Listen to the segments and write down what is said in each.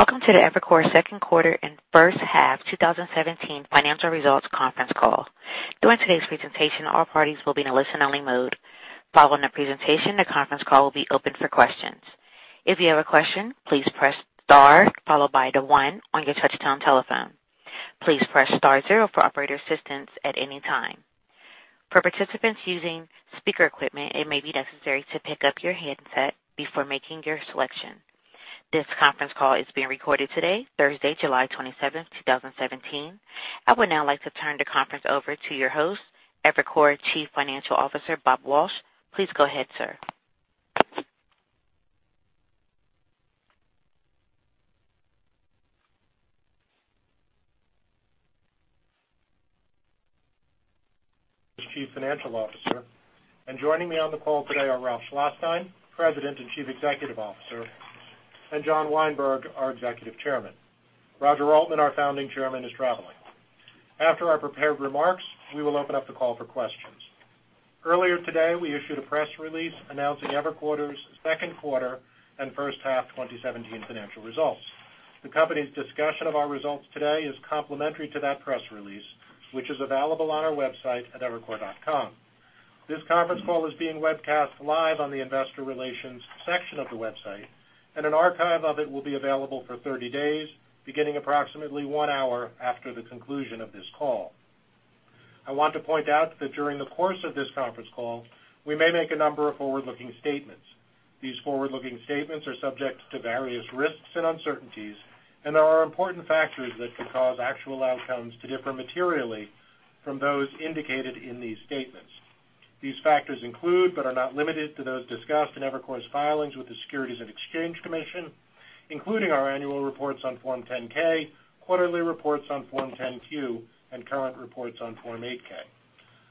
Welcome to the Evercore second quarter and first half 2017 financial results conference call. During today's presentation, all parties will be in a listen-only mode. Following the presentation, the conference call will be open for questions. If you have a question, please press star followed by the one on your touch-tone telephone. Please press star zero for operator assistance at any time. For participants using speaker equipment, it may be necessary to pick up your headset before making your selection. This conference call is being recorded today, Thursday, July 27th, 2017. I would now like to turn the conference over to your host, Evercore Chief Financial Officer, Bob Walsh. Please go ahead, sir. As Chief Financial Officer, joining me on the call today are Ralph Schlosstein, President and Chief Executive Officer, and John Weinberg, our Executive Chairman. Roger Altman, our Founding Chairman, is traveling. After our prepared remarks, we will open up the call for questions. Earlier today, we issued a press release announcing Evercore's second quarter and first half 2017 financial results. The company's discussion of our results today is complementary to that press release, which is available on our website at evercore.com. This conference call is being webcast live on the investor relations section of the website, and an archive of it will be available for 30 days, beginning approximately one hour after the conclusion of this call. I want to point out that during the course of this conference call, we may make a number of forward-looking statements. These forward-looking statements are subject to various risks and uncertainties, and there are important factors that could cause actual outcomes to differ materially from those indicated in these statements. These factors include, but are not limited to, those discussed in Evercore's filings with the Securities and Exchange Commission, including our annual reports on Form 10-K, quarterly reports on Form 10-Q, and current reports on Form 8-K.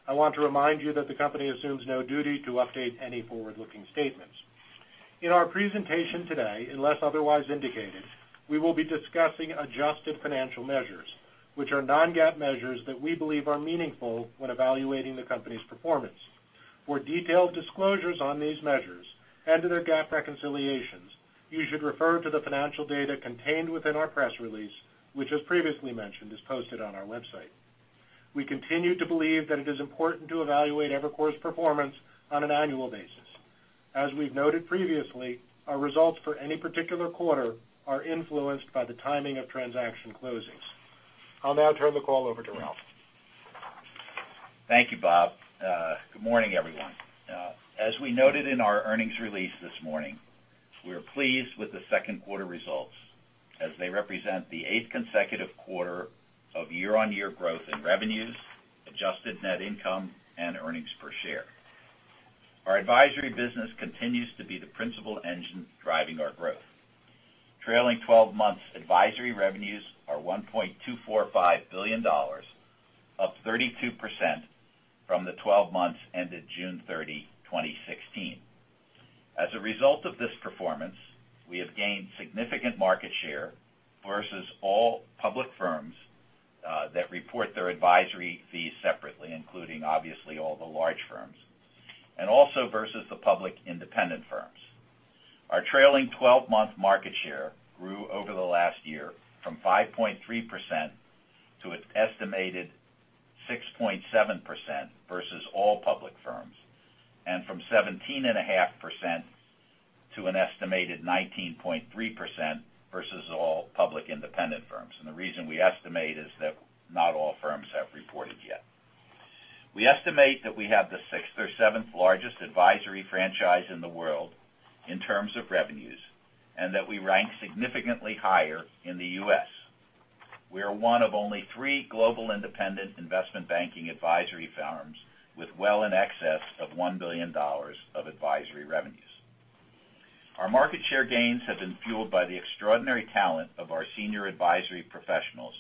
I want to remind you that the company assumes no duty to update any forward-looking statements. In our presentation today, unless otherwise indicated, we will be discussing adjusted financial measures, which are non-GAAP measures that we believe are meaningful when evaluating the company's performance. For detailed disclosures on these measures and to their GAAP reconciliations, you should refer to the financial data contained within our press release, which, as previously mentioned, is posted on our website. We continue to believe that it is important to evaluate Evercore's performance on an annual basis. As we've noted previously, our results for any particular quarter are influenced by the timing of transaction closings. I'll now turn the call over to Ralph. Thank you, Bob. Good morning, everyone. As we noted in our earnings release this morning, we are pleased with the second quarter results as they represent the eighth consecutive quarter of year-on-year growth in revenues, adjusted net income and earnings per share. Our advisory business continues to be the principal engine driving our growth. Trailing 12 months advisory revenues are $1.245 billion, up 32% from the 12 months ended June 30, 2016. As a result of this performance, we have gained significant market share versus all public firms that report their advisory fees separately, including obviously all the large firms, and also versus the public independent firms. Our trailing 12-month market share grew over the last year from 5.3% to an estimated 6.7% versus all public firms, and from 17.5% to an estimated 19.3% versus all public independent firms. The reason we estimate is that not all firms have reported yet. We estimate that we have the sixth or seventh largest advisory franchise in the world in terms of revenues, and that we rank significantly higher in the U.S. We are one of only three global independent investment banking advisory firms with well in excess of $1 billion of advisory revenues. Our market share gains have been fueled by the extraordinary talent of our senior advisory professionals,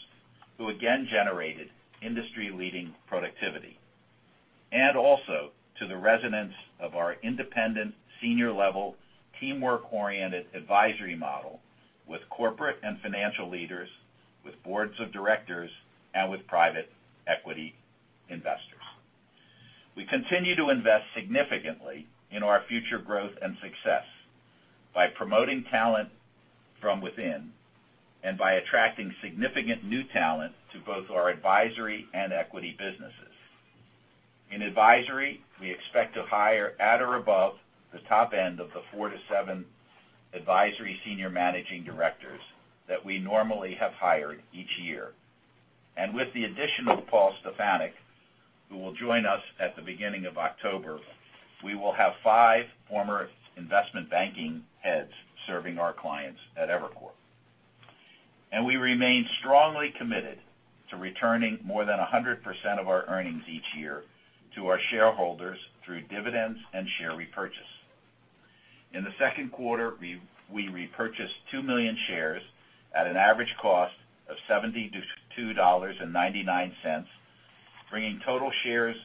who again generated industry-leading productivity, and also to the resonance of our independent senior-level teamwork-oriented advisory model with corporate and financial leaders, with boards of directors, and with private equity investors. We continue to invest significantly in our future growth and success by promoting talent from within and by attracting significant new talent to both our advisory and equity businesses. In advisory, we expect to hire at or above the top end of the four to seven advisory senior managing directors that we normally have hired each year. With the addition of Paul Stefanick, who will join us at the beginning of October, we will have five former investment banking heads serving our clients at Evercore. We remain strongly committed to returning more than 100% of our earnings each year to our shareholders through dividends and share repurchase. In the second quarter, we repurchased 2 million shares at an average cost of $72.99, bringing total shares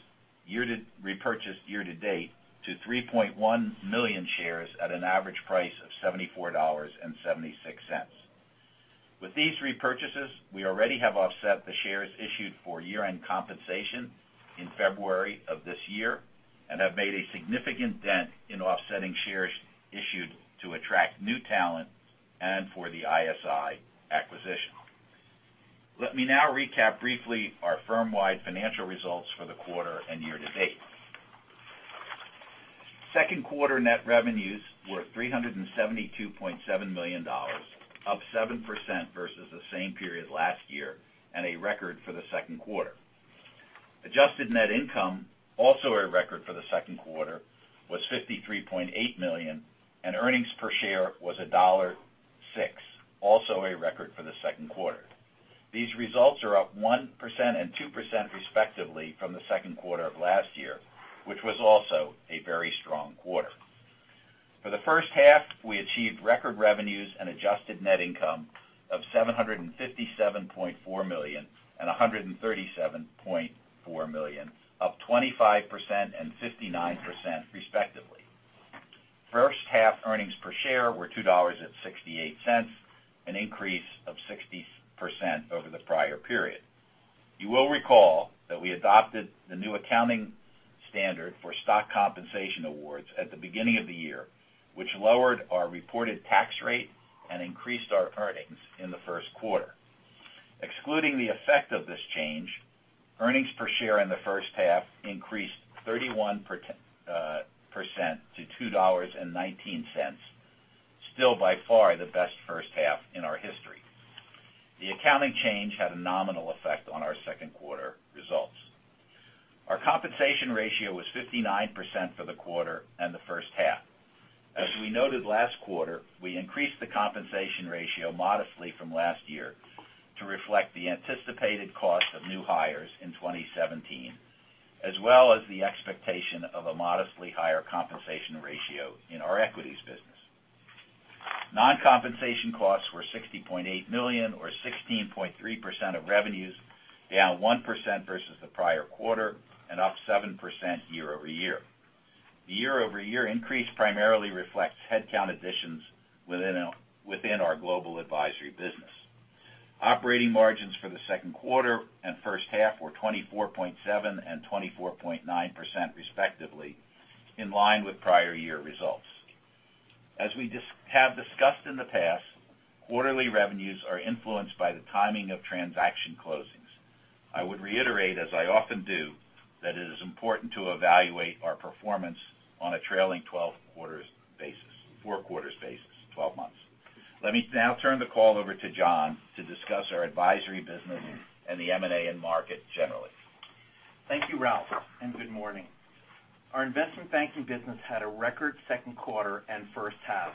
repurchased year-to-date to 3.1 million shares at an average price of $74.76. With these repurchases, we already have offset the shares issued for year-end compensation in February of this year. Have made a significant dent in offsetting shares issued to attract new talent and for the ISI acquisition. Let me now recap briefly our firm-wide financial results for the quarter and year-to-date. Second quarter net revenues were $372.7 million, up 7% versus the same period last year, and a record for the second quarter. Adjusted net income, also a record for the second quarter, was $53.8 million, and earnings per share was $1.06, also a record for the second quarter. These results are up 1% and 2% respectively from the second quarter of last year, which was also a very strong quarter. For the first half, we achieved record revenues and adjusted net income of $757.4 million and $137.4 million, up 25% and 59% respectively. First half earnings per share were $2.68, an increase of 60% over the prior period. You will recall that we adopted the new accounting standard for stock compensation awards at the beginning of the year, which lowered our reported tax rate and increased our earnings in the first quarter. Excluding the effect of this change, earnings per share in the first half increased 31% to $2.19, still by far the best first half in our history. The accounting change had a nominal effect on our second-quarter results. Our compensation ratio was 59% for the quarter and the first half. As we noted last quarter, we increased the compensation ratio modestly from last year to reflect the anticipated cost of new hires in 2017, as well as the expectation of a modestly higher compensation ratio in our equities business. Non-compensation costs were $60.8 million, or 16.3% of revenues, down 1% versus the prior quarter and up 7% year-over-year. The year-over-year increase primarily reflects headcount additions within our global advisory business. Operating margins for the second quarter and first half were 24.7% and 24.9% respectively, in line with prior year results. As we have discussed in the past, quarterly revenues are influenced by the timing of transaction closings. I would reiterate, as I often do, that it is important to evaluate our performance on a trailing four quarters basis, 12 months. Let me now turn the call over to John to discuss our advisory business and the M&A end market generally. Thank you, Ralph, good morning. Our investment banking business had a record second quarter and first half.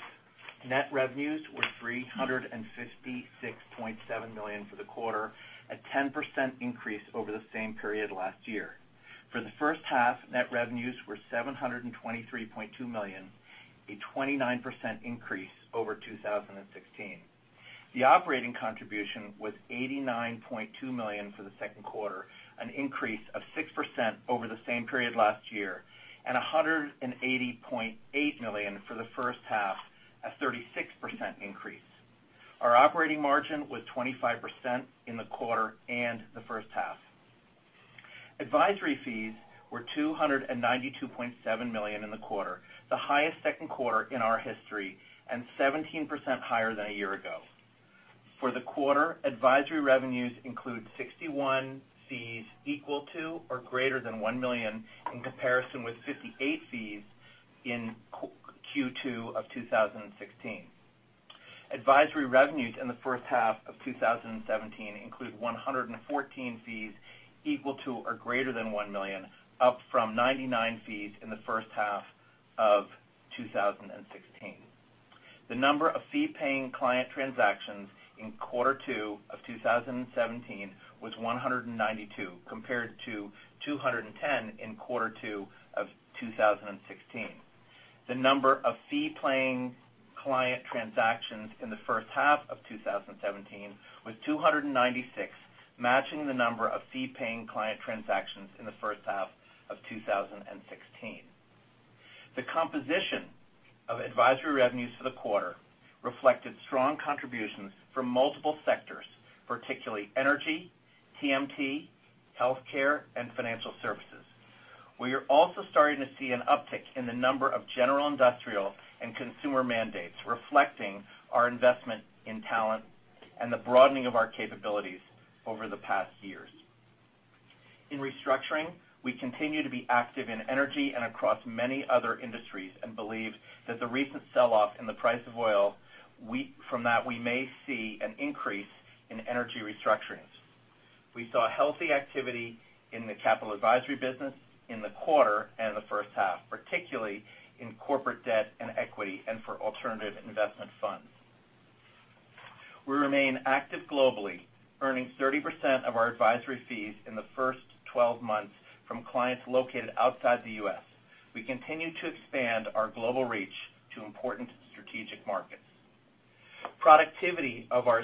Net revenues were $356.7 million for the quarter, a 10% increase over the same period last year. For the first half, net revenues were $723.2 million, a 29% increase over 2016. The operating contribution was $89.2 million for the second quarter, an increase of 6% over the same period last year, and $180.8 million for the first half, a 36% increase. Our operating margin was 25% in the quarter and the first half. Advisory fees were $292.7 million in the quarter, the highest second quarter in our history, and 17% higher than a year ago. For the quarter, advisory revenues include 61 fees equal to or greater than $1 million, in comparison with 58 fees in Q2 of 2016. Advisory revenues in the first half of 2017 include 114 fees equal to or greater than $1 million, up from 99 fees in the first half of 2016. The number of fee-paying client transactions in quarter two of 2017 was 192 compared to 210 in quarter two of 2016. The number of fee-paying client transactions in the first half of 2017 was 296, matching the number of fee-paying client transactions in the first half of 2016. The composition of advisory revenues for the quarter reflected strong contributions from multiple sectors, particularly energy, TMT, healthcare, and financial services. We are also starting to see an uptick in the number of general industrial and consumer mandates, reflecting our investment in talent and the broadening of our capabilities over the past years. In restructuring, we continue to be active in energy and across many other industries and believe that the recent sell-off in the price of oil, from that, we may see an increase in energy restructurings. We saw healthy activity in the capital advisory business in the quarter and the first half, particularly in corporate debt and equity and for alternative investment funds. We remain active globally, earning 30% of our advisory fees in the first 12 months from clients located outside the U.S. We continue to expand our global reach to important strategic markets. Productivity of our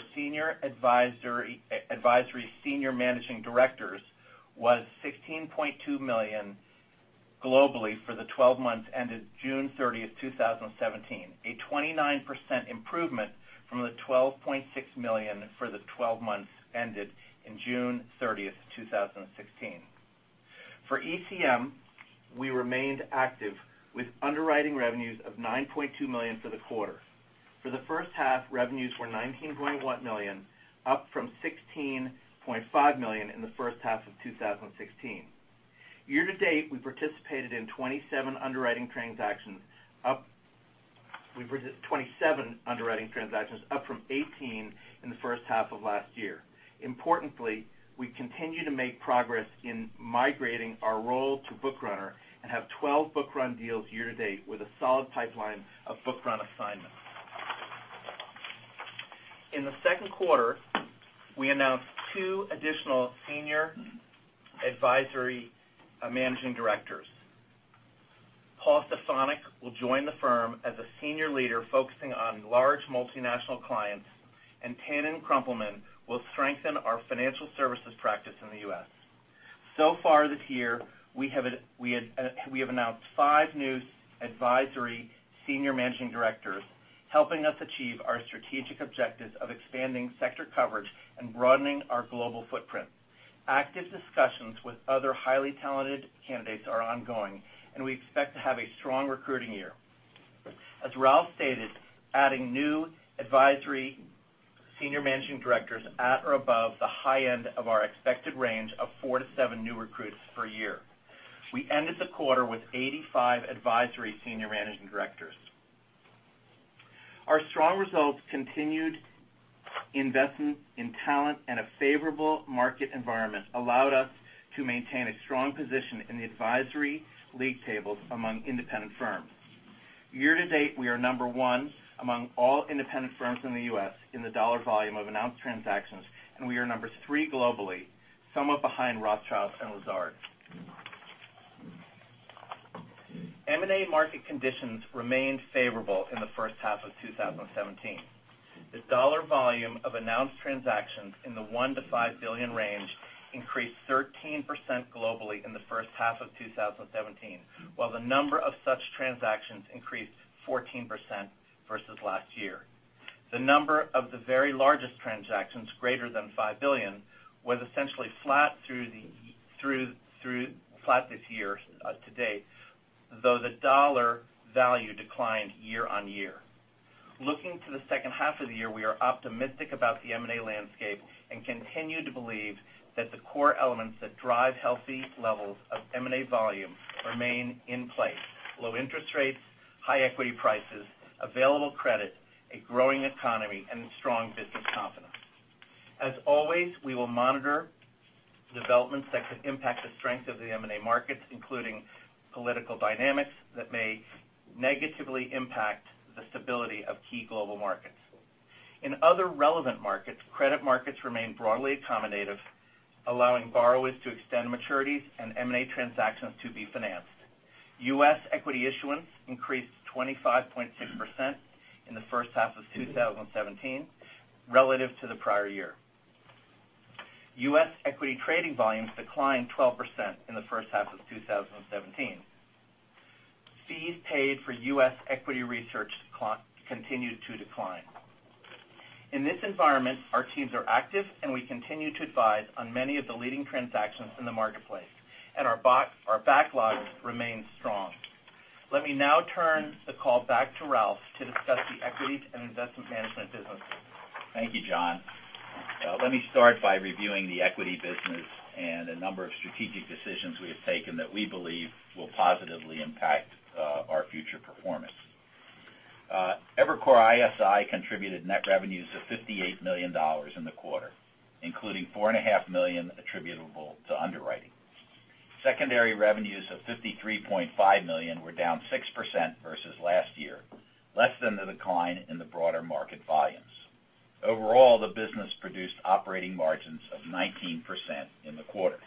advisory senior managing directors was $16.2 million globally for the 12 months ended June 30, 2017, a 29% improvement from the $12.6 million for the 12 months ended June 30, 2016. For ECM, we remained active with underwriting revenues of $9.2 million for the quarter. The first half, revenues were $19.1 million, up from $16.5 million in the first half of 2016. Year-to-date, we participated in 27 underwriting transactions, up from 18 in the first half of last year. Importantly, we continue to make progress in migrating our role to book runner and have 12 book-run deals year-to-date with a solid pipeline of book-run assignments. In the second quarter, we announced two additional senior advisory managing directors. Paul Stefanick will join the firm as a senior leader focusing on large multinational clients, and Tannon Krumpelman will strengthen our financial services practice in the U.S. Far this year, we have announced five new advisory senior managing directors, helping us achieve our strategic objectives of expanding sector coverage and broadening our global footprint. Active discussions with other highly talented candidates are ongoing, and we expect to have a strong recruiting year. As Ralph stated, adding new advisory senior managing directors at or above the high end of our expected range of four to seven new recruits per year. We ended the quarter with 85 advisory senior managing directors. Our strong results, continued investment in talent, and a favorable market environment allowed us to maintain a strong position in the advisory league tables among independent firms. Year-to-date, we are number one among all independent firms in the U.S. in the dollar volume of announced transactions, and we are number three globally, somewhat behind Rothschild and Lazard. M&A market conditions remained favorable in the first half of 2017. The dollar volume of announced transactions in the one to five billion range increased 13% globally in the first half of 2017, while the number of such transactions increased 14% versus last year. The number of the very largest transactions, greater than $5 billion, was essentially flat this year to date, though the dollar value declined year-on-year. Looking to the second half of the year, we are optimistic about the M&A landscape and continue to believe that the core elements that drive healthy levels of M&A volume remain in place: low interest rates, high equity prices, available credit, a growing economy, and strong business confidence. As always, we will monitor developments that could impact the strength of the M&A markets, including political dynamics that may negatively impact the stability of key global markets. In other relevant markets, credit markets remain broadly accommodative, allowing borrowers to extend maturities and M&A transactions to be financed. U.S. equity issuance increased 25.6% in the first half of 2017 relative to the prior year. U.S. equity trading volumes declined 12% in the first half of 2017. Fees paid for U.S. equity research continued to decline. In this environment, our teams are active, and we continue to advise on many of the leading transactions in the marketplace, and our backlog remains strong. Let me now turn the call back to Ralph to discuss the equities and investment management businesses. Thank you, John. Let me start by reviewing the equity business and a number of strategic decisions we have taken that we believe will positively impact our future performance. Evercore ISI contributed net revenues of $58 million in the quarter, including $4.5 million attributable to underwriting. Secondary revenues of $53.5 million were down 6% versus last year, less than the decline in the broader market volumes. Overall, the business produced operating margins of 19% in the quarter.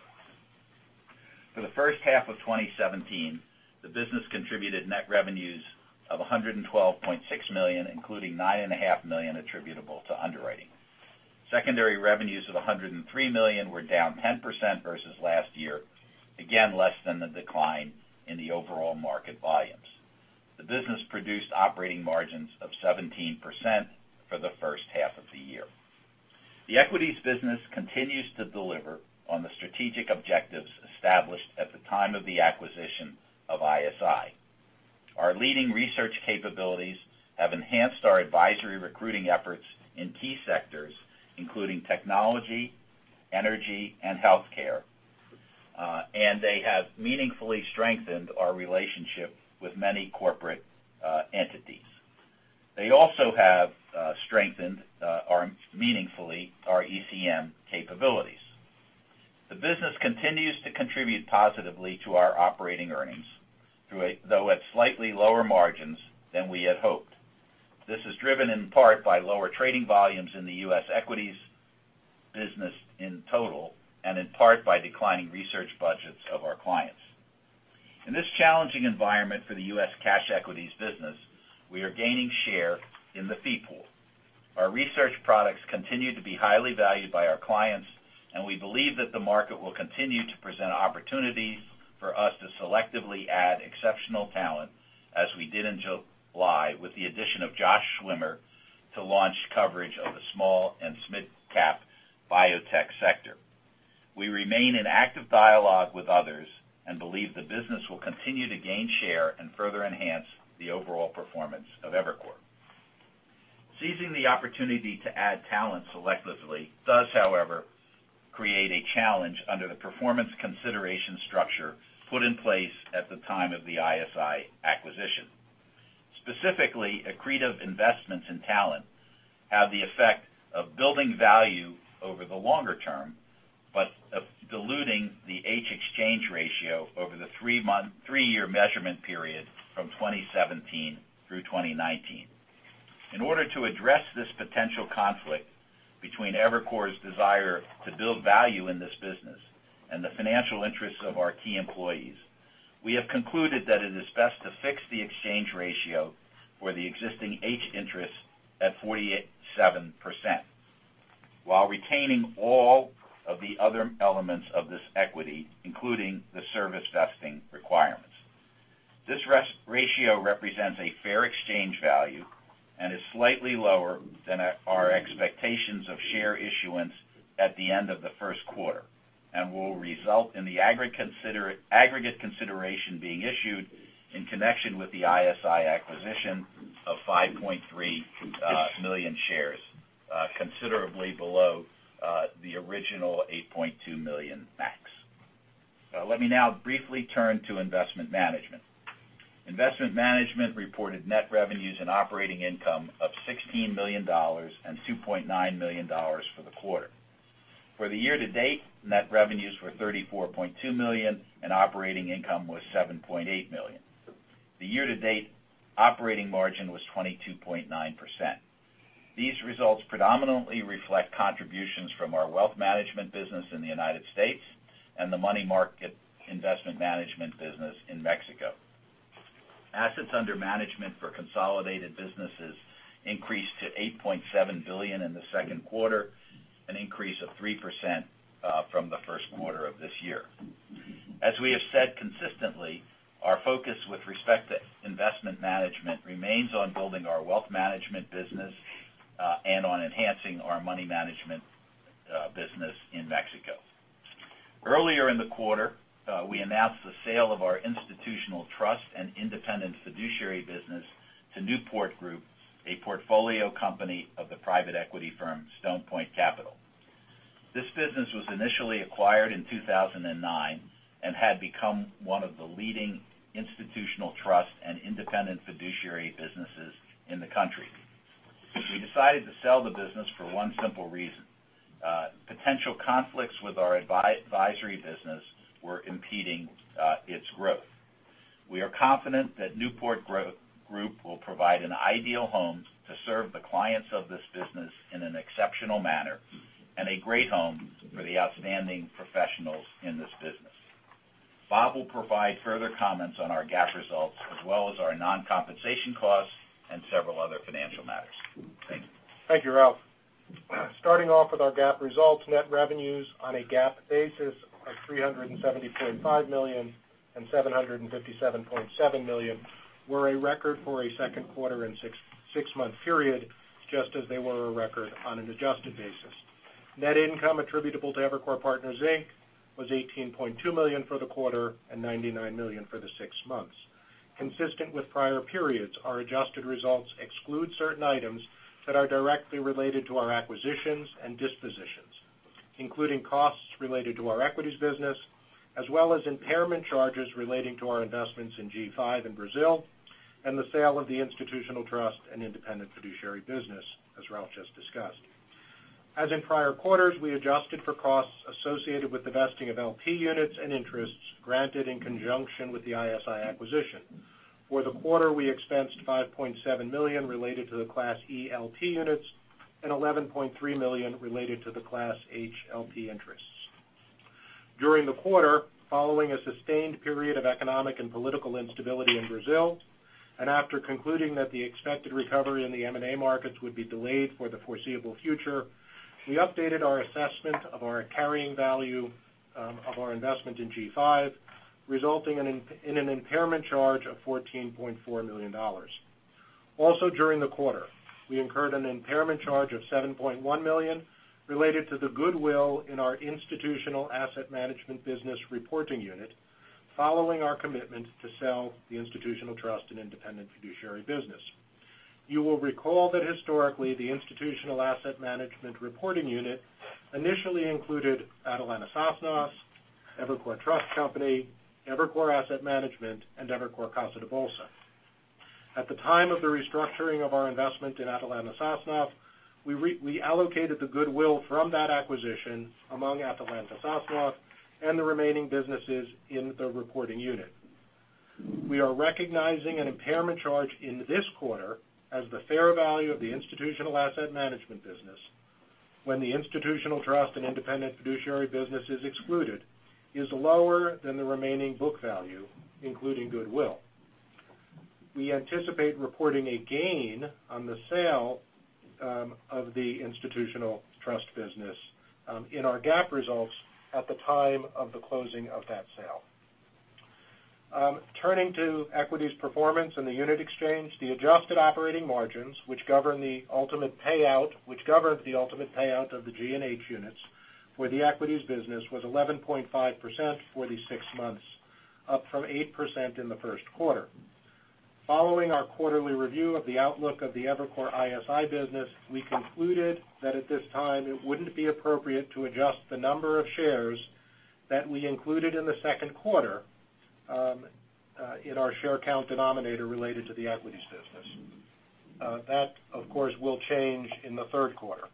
For the first half of 2017, the business contributed net revenues of $112.6 million, including $9.5 million attributable to underwriting. Secondary revenues of $103 million were down 10% versus last year, again less than the decline in the overall market volumes. The business produced operating margins of 17% for the first half of the year. The equities business continues to deliver on the strategic objectives established at the time of the acquisition of ISI. Our leading research capabilities have enhanced our advisory recruiting efforts in key sectors, including technology, energy, and healthcare. They have meaningfully strengthened our relationship with many corporate entities. They also have strengthened meaningfully our ECM capabilities. The business continues to contribute positively to our operating earnings, though at slightly lower margins than we had hoped. This is driven in part by lower trading volumes in the U.S. equities business in total and in part by declining research budgets of our clients. In this challenging environment for the U.S. cash equities business, we are gaining share in the fee pool. Our research products continue to be highly valued by our clients. We believe that the market will continue to present opportunities for us to selectively add exceptional talent, as we did in July with the addition of Josh Schimmer to launch coverage of the small and mid-cap biotech sector. We remain in active dialogue with others and believe the business will continue to gain share and further enhance the overall performance of Evercore. Seizing the opportunity to add talent selectively does, however, create a challenge under the performance consideration structure put in place at the time of the ISI acquisition. Specifically, accretive investments in talent have the effect of building value over the longer term, but of diluting the H exchange ratio over the three-year measurement period from 2017 through 2019. In order to address this potential conflict between Evercore's desire to build value in this business and the financial interests of our key employees, we have concluded that it is best to fix the exchange ratio for the existing H interest at 47%, while retaining all of the other elements of this equity, including the service vesting requirements. This ratio represents a fair exchange value and is slightly lower than our expectations of share issuance at the end of the first quarter and will result in the aggregate consideration being issued in connection with the ISI acquisition of 5.3 million shares, considerably below the original 8.2 million max. Let me now briefly turn to investment management. Investment management reported net revenues and operating income of $16 million and $2.9 million for the quarter. For the year to date, net revenues were $34.2 million and operating income was $7.8 million. The year-to-date operating margin was 22.9%. These results predominantly reflect contributions from our wealth management business in the United States and the investment management business in Mexico. Assets under management for consolidated businesses increased to $8.7 billion in the second quarter, an increase of 3% from the first quarter of this year. As we have said consistently, our focus with respect to investment management remains on building our wealth management business, and on enhancing our money management business in Mexico. Earlier in the quarter, we announced the sale of our institutional trust and independent fiduciary business to Newport Group, a portfolio company of the private equity firm Stone Point Capital. This business was initially acquired in 2009 and had become one of the leading institutional trust and independent fiduciary businesses in the country. We decided to sell the business for one simple reason. Potential conflicts with our advisory business were impeding its growth. We are confident that Newport Group will provide an ideal home to serve the clients of this business in an exceptional manner and a great home for the outstanding professionals in this business. Bob will provide further comments on our GAAP results, as well as our non-compensation costs and several other financial matters. Thank you. Thank you, Ralph. Starting off with our GAAP results. Net revenues on a GAAP basis of $370.5 million and $757.7 million were a record for a second quarter and six-month period, just as they were a record on an adjusted basis. Net income attributable to Evercore Inc. was $18.2 million for the quarter and $99 million for the six months. Consistent with prior periods, our adjusted results exclude certain items that are directly related to our acquisitions and dispositions, including costs related to our equities business, as well as impairment charges relating to our investments in G5 in Brazil and the sale of the institutional trust and independent fiduciary business, as Ralph just discussed. As in prior quarters, we adjusted for costs associated with the vesting of LP units and interests granted in conjunction with the ISI acquisition. For the quarter, we expensed $5.7 million related to the Class E LP Units and $11.3 million related to the Class H LP Interests. During the quarter, following a sustained period of economic and political instability in Brazil, and after concluding that the expected recovery in the M&A markets would be delayed for the foreseeable future, we updated our assessment of our carrying value of our investment in G5, resulting in an impairment charge of $14.4 million. Also during the quarter, we incurred an impairment charge of $7.1 million related to the goodwill in our institutional asset management business reporting unit following our commitment to sell the institutional trust and independent fiduciary business. You will recall that historically, the institutional asset management reporting unit initially included Atalanta Sosnoff, Evercore Trust Company, Evercore Asset Management, and Evercore Casa de Bolsa. At the time of the restructuring of our investment in Atalanta Sosnoff, we allocated the goodwill from that acquisition among Atalanta Sosnoff and the remaining businesses in the reporting unit. We are recognizing an impairment charge in this quarter as the fair value of the institutional asset management business when the institutional trust and independent fiduciary business is excluded is lower than the remaining book value, including goodwill. We anticipate reporting a gain on the sale of the institutional trust business in our GAAP results at the time of the closing of that sale. Turning to equities performance and the unit exchange, the adjusted operating margins, which governed the ultimate payout of the G and H units for the equities business, was 11.5% for the six months, up from 8% in the first quarter. Following our quarterly review of the outlook of the Evercore ISI business, we concluded that at this time it wouldn't be appropriate to adjust the number of shares that we included in the second quarter in our share count denominator related to the equities business. That, of course, will change in the third quarter.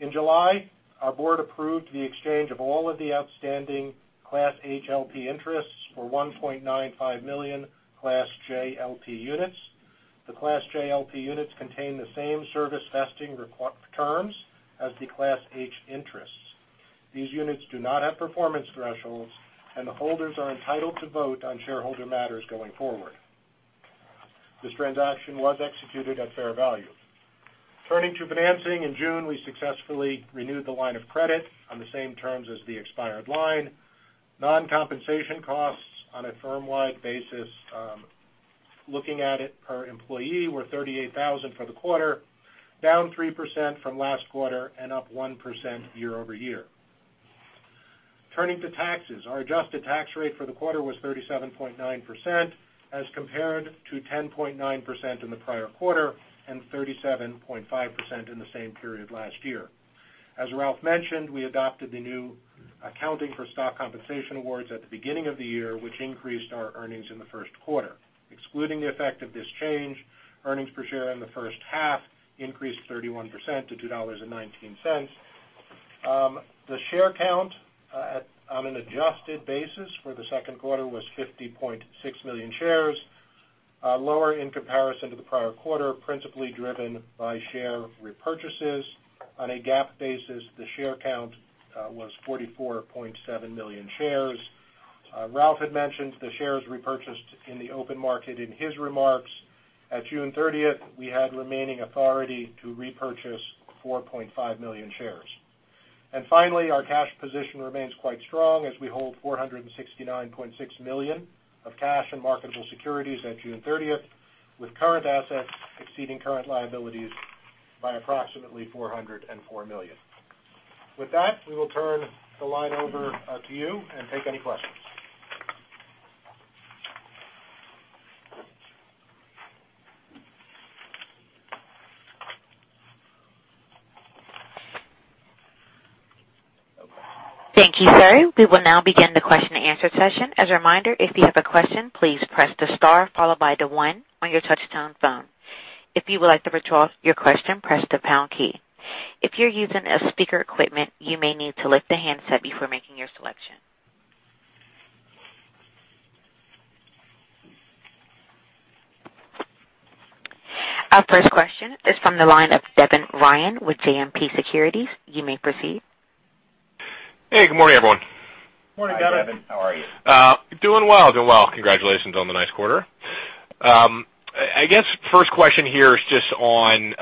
In July, our board approved the exchange of all of the outstanding Class H LP Interests for 1.95 million Class J LP Units. The Class J LP Units contain the same service vesting terms as the Class H interests. These units do not have performance thresholds, and holders are entitled to vote on shareholder matters going forward. This transaction was executed at fair value. Turning to financing. In June, we successfully renewed the line of credit on the same terms as the expired line. Non-compensation costs on a firm-wide basis, looking at it per employee, were $38,000 for the quarter, down 3% from last quarter and up 1% year-over-year. Turning to taxes, our adjusted tax rate for the quarter was 37.9%, as compared to 10.9% in the prior quarter and 37.5% in the same period last year. As Ralph mentioned, we adopted the new accounting for stock compensation awards at the beginning of the year, which increased our earnings in the first quarter. Excluding the effect of this change, earnings per share in the first half increased 31% to $2.19. The share count on an adjusted basis for the second quarter was 50.6 million shares, lower in comparison to the prior quarter, principally driven by share repurchases. On a GAAP basis, the share count was 44.7 million shares. Ralph had mentioned the shares repurchased in the open market in his remarks. At June 30th, we had remaining authority to repurchase 4.5 million shares. Finally, our cash position remains quite strong as we hold $469.6 million of cash and marketable securities at June 30th, with current assets exceeding current liabilities by approximately $404 million. With that, we will turn the line over to you and take any questions. Thank you, sir. We will now begin the question and answer session. As a reminder, if you have a question, please press the star followed by the one on your touchtone phone. If you would like to withdraw your question, press the pound key. If you're using speaker equipment, you may need to lift the handset before making your selection. Our first question is from the line of Devin Ryan with JMP Securities. You may proceed. Hey, good morning, everyone. Good morning, Devin. Hi, Devin. How are you? Doing well. Congratulations on the nice quarter. I guess first question here is just on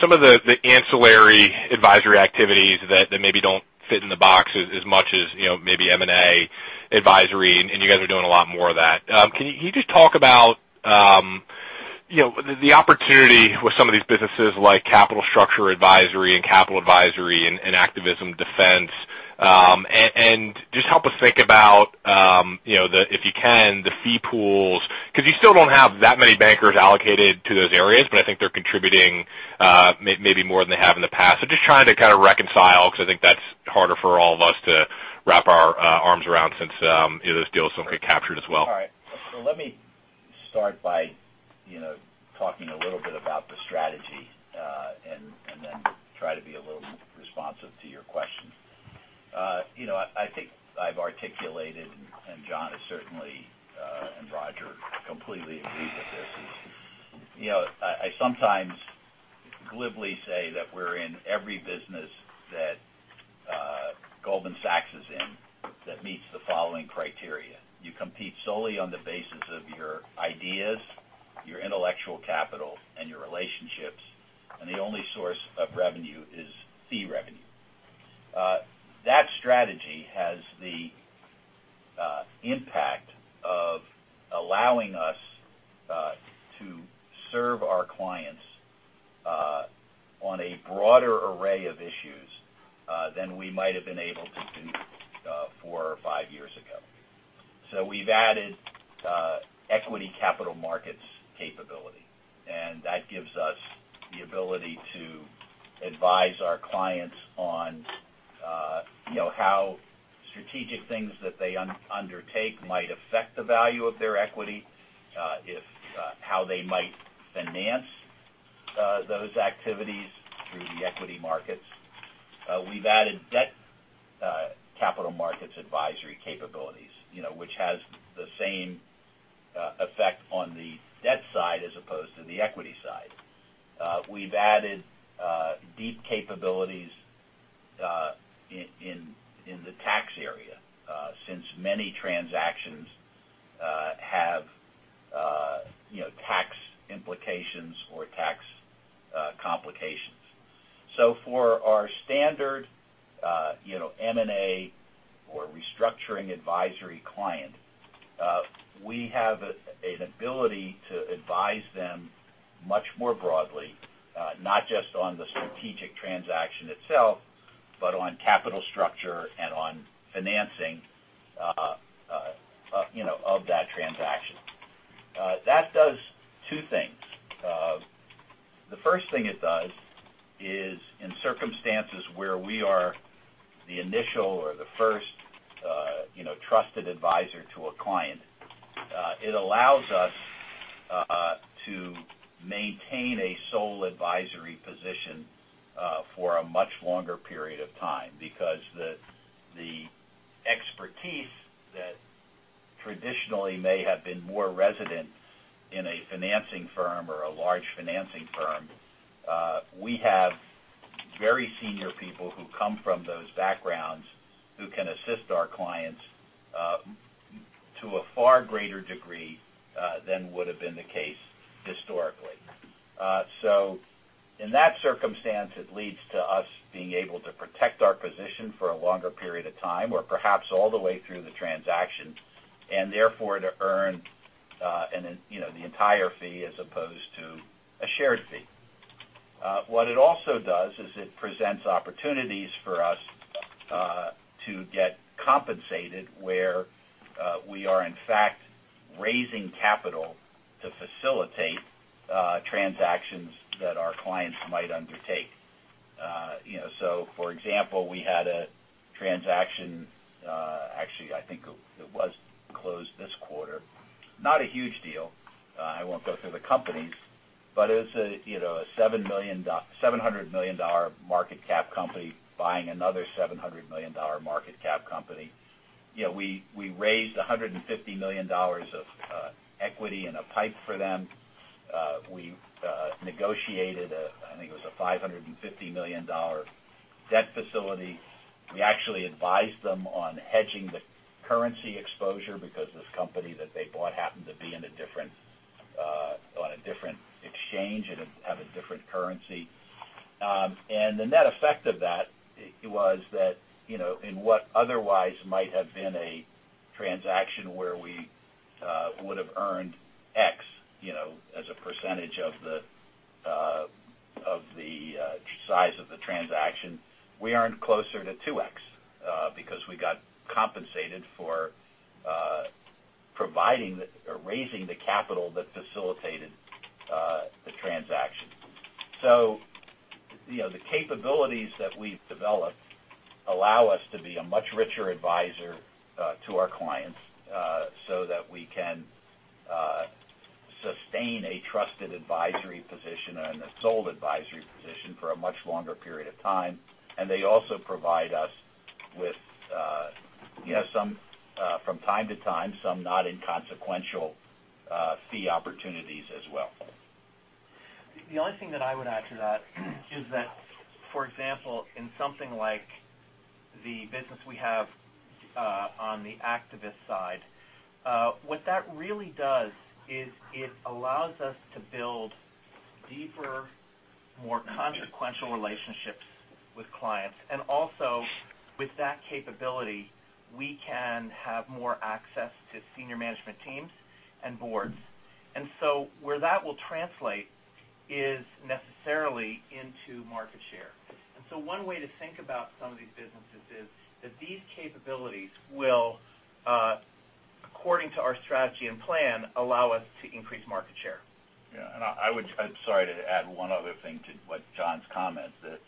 some of the ancillary advisory activities that maybe don't fit in the box as much as maybe M&A advisory, and you guys are doing a lot more of that. Can you just talk about the opportunity with some of these businesses like capital structure advisory and capital advisory and activism defense, and just help us think about, if you can, the fee pools, because you still don't have that many bankers allocated to those areas, but I think they're contributing maybe more than they have in the past. Just trying to kind of reconcile because I think that's harder for all of us to wrap our arms around since those deals don't get captured as well. All right. Let me start by talking a little bit about the strategy, and then try to be a little responsive to your question. I think I've articulated, and John is certainly, and Roger completely agrees with this is, I sometimes glibly say that we're in every business that Goldman Sachs is in that meets the following criteria. You compete solely on the basis of your ideas, your intellectual capital, and your relationships, and the only source of revenue is fee revenue. That strategy has the impact of allowing us to serve our clients on a broader array of issues than we might've been able to do four or five years ago. We've added equity capital markets capability, and that gives us the ability to advise our clients on how strategic things that they undertake might affect the value of their equity, how they might finance those activities through the equity markets. We've added debt capital markets advisory capabilities, which has the same effect on the debt side as opposed to the equity side. We've added deep capabilities in the tax area since many transactions have implications or tax complications. For our standard M&A or restructuring advisory client, we have an ability to advise them much more broadly, not just on the strategic transaction itself, but on capital structure and on financing of that transaction. That does two things. The first thing it does is in circumstances where we are the initial or the first trusted advisor to a client, it allows us to maintain a sole advisory position for a much longer period of time because the expertise that traditionally may have been more resident in a financing firm or a large financing firm, we have very senior people who come from those backgrounds who can assist our clients to a far greater degree than would have been the case historically. In that circumstance, it leads to us being able to protect our position for a longer period of time or perhaps all the way through the transaction, and therefore to earn the entire fee as opposed to a shared fee. What it also does is it presents opportunities for us to get compensated where we are, in fact, raising capital to facilitate transactions that our clients might undertake. For example, we had a transaction, actually, I think it was closed this quarter. Not a huge deal. I won't go through the companies, but it was a $700 million market cap company buying another $700 million market cap company. We raised $150 million of equity in a pipe for them. We negotiated a, I think it was a $550 million debt facility. We actually advised them on hedging the currency exposure because this company that they bought happened to be on a different exchange and have a different currency. The net effect of that was that in what otherwise might have been a transaction where we would've earned X as a percentage of the size of the transaction, we earned closer to 2x because we got compensated for providing or raising the capital that facilitated the transaction. The capabilities that we've developed allow us to be a much richer advisor to our clients, so that we can sustain a trusted advisory position and a sole advisory position for a much longer period of time. They also provide us with some, from time to time, some not inconsequential fee opportunities as well. The only thing that I would add to that is that, for example, in something like the business we have on the activist side, what that really does is it allows us to build deeper, more consequential relationships with clients. Also, with that capability, we can have more access to senior management teams and boards. Where that will translate is necessarily into market share. One way to think about some of these businesses is that these capabilities will, according to our strategy and plan, allow us to increase market share. Yeah. I'm sorry to add one other thing to what John's comment, that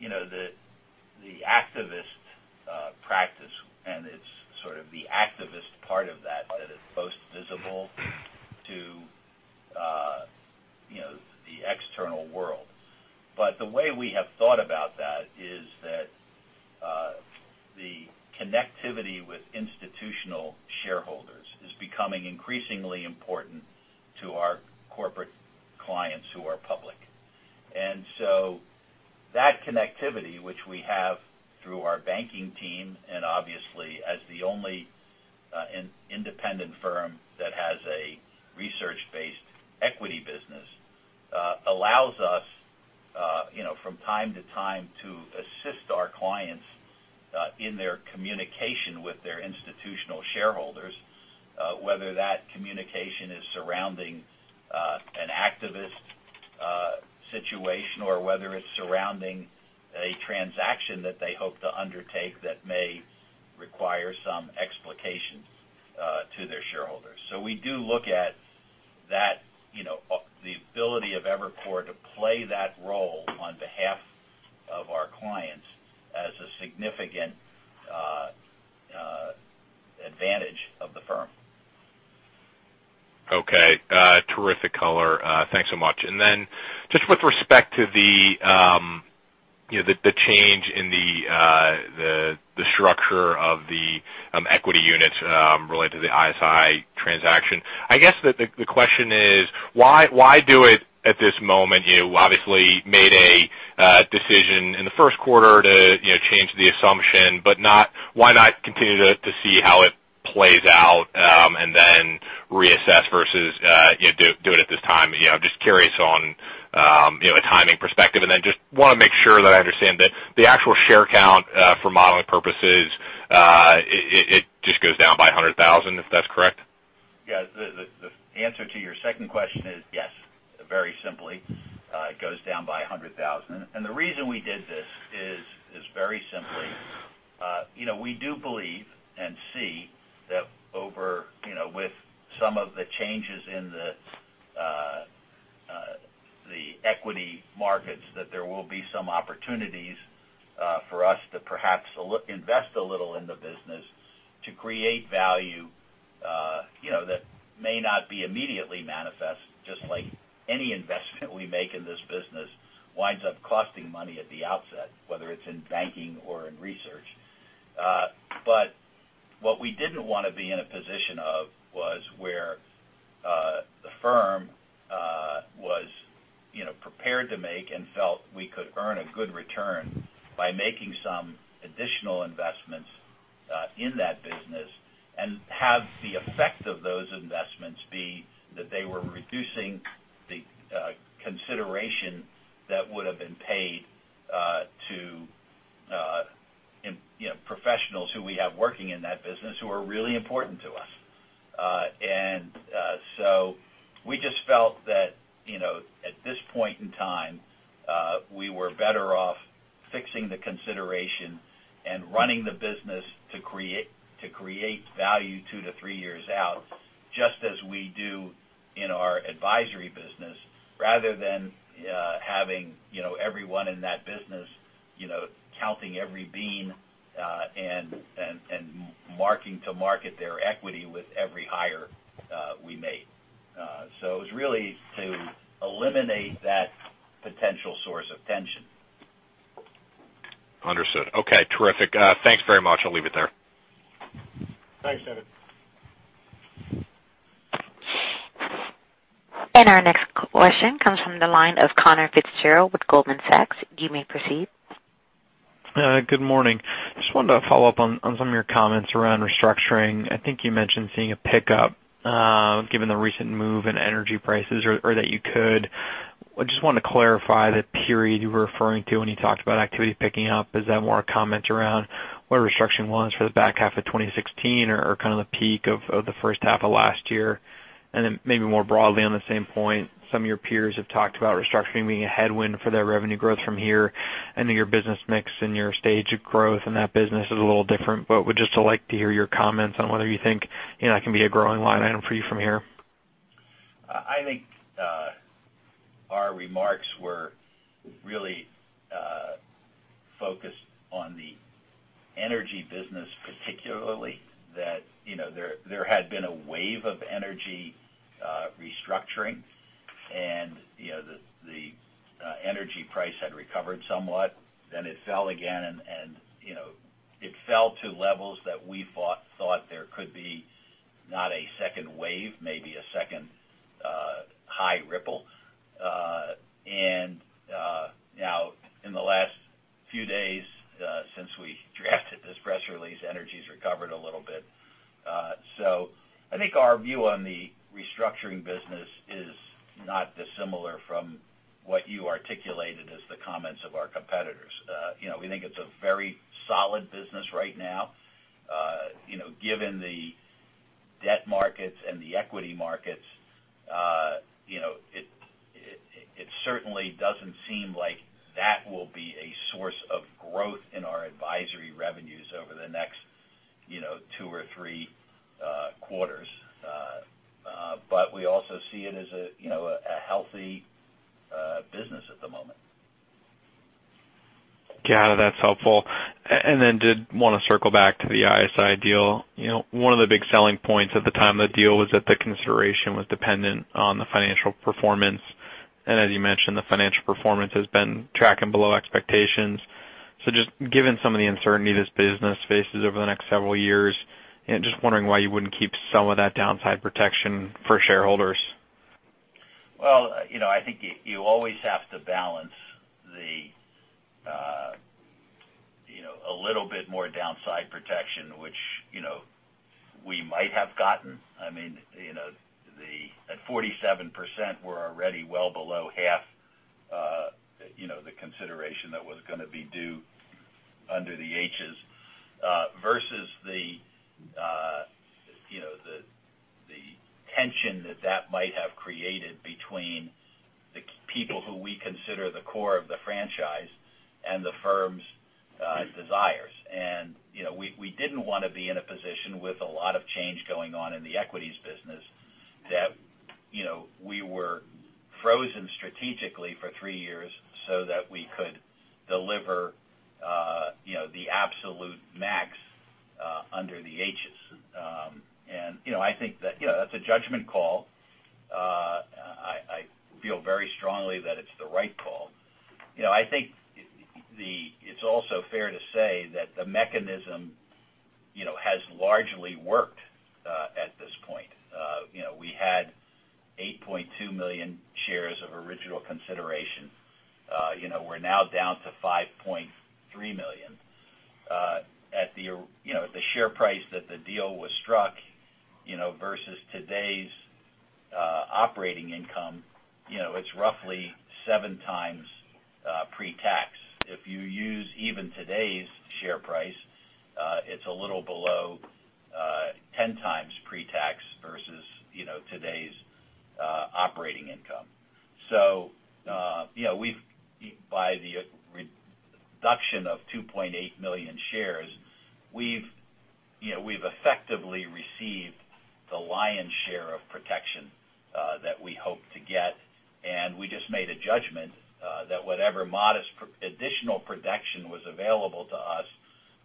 the activist practice, it's sort of the activist part of that is most visible to the external world. The way we have thought about that is that the connectivity with institutional shareholders is becoming increasingly important to our corporate clients who are public. That connectivity, which we have through our banking team, and obviously as the only independent firm that has a research-based equity business, allows us from time to time to assist our clients in their communication with their institutional shareholders, whether that communication is surrounding an activist situation or whether it's surrounding a transaction that they hope to undertake that may require some explication to their shareholders. We do look at the ability of Evercore to play that role on behalf of our clients as a significant advantage of the firm. Okay. Terrific color. Thanks so much. Just with respect to the change in the structure of the equity units related to the ISI transaction, I guess that the question is why At this moment, you obviously made a decision in the first quarter to change the assumption, why not continue to see how it plays out, and then reassess, versus do it at this time? Just curious on a timing perspective. Just want to make sure that I understand, the actual share count for modeling purposes, it just goes down by 100,000, if that's correct? Yeah. The answer to your second question is yes, very simply. It goes down by 100,000. The reason we did this is very simply, we do believe and see that with some of the changes in the equity markets, that there will be some opportunities for us to perhaps invest a little in the business to create value that may not be immediately manifest, just like any investment we make in this business winds up costing money at the outset, whether it's in banking or in research. What we didn't want to be in a position of was where the firm was prepared to make and felt we could earn a good return by making some additional investments in that business, and have the effect of those investments be that they were reducing the consideration that would've been paid to professionals who we have working in that business who are really important to us. We just felt that, at this point in time, we were better off fixing the consideration and running the business to create value 2 to 3 years out, just as we do in our advisory business, rather than having everyone in that business counting every bean and marking to market their equity with every hire we made. It was really to eliminate that potential source of tension. Understood. Okay, terrific. Thanks very much. I'll leave it there. Thanks, Devin. Our next question comes from the line of Connor Fitzgerald with Goldman Sachs. You may proceed. Good morning. I wanted to follow up on some of your comments around restructuring. I think you mentioned seeing a pickup, given the recent move in energy prices, or that you could. I wanted to clarify the period you were referring to when you talked about activity picking up. Is that more a comment around where restructuring was for the back half of 2016, or kind of the peak of the first half of last year? Maybe more broadly on the same point, some of your peers have talked about restructuring being a headwind for their revenue growth from here. I know your business mix and your stage of growth in that business is a little different, would just like to hear your comments on whether you think that can be a growing line item for you from here. I think our remarks were really focused on the energy business, particularly that there had been a wave of energy restructuring, the energy price had recovered somewhat, then it fell again. It fell to levels that we thought there could be not a second wave, maybe a second high ripple. In the last few days since we drafted this press release, energy's recovered a little bit. I think our view on the restructuring business is not dissimilar from what you articulated as the comments of our competitors. We think it's a very solid business right now. Given the debt markets and the equity markets, it certainly doesn't seem like that will be a source of growth in our advisory revenues over the next two or three quarters. We also see it as a healthy business at the moment. Got it. That's helpful. Did want to circle back to the ISI deal. One of the big selling points at the time of the deal was that the consideration was dependent on the financial performance, as you mentioned, the financial performance has been tracking below expectations. Given some of the uncertainty this business faces over the next several years, just wondering why you wouldn't keep some of that downside protection for shareholders. I think you always have to balance a little bit more downside protection, which we might have gotten. At 47%, we're already well below half the consideration that was going to be due under the Hs versus the tension that that might have created between the people who we consider the core of the franchise and the firm's desires. We didn't want to be in a position with a lot of change going on in the equities business that we were frozen strategically for three years so that we could deliver the absolute max under the Hs. I think that's a judgment call. I feel very strongly that it's the right call. I think it's also fair to say that the mechanism has largely worked, at this point. We had 8.2 million shares of original consideration. We're now down to 5.3 million. At the share price that the deal was struck versus today's operating income, it's roughly 7 times pre-tax. If you use even today's share price, it's a little below 10 times pre-tax versus today's operating income. By the reduction of 2.8 million shares, we've effectively received the lion's share of protection that we hope to get. We just made a judgment that whatever modest additional protection was available to us,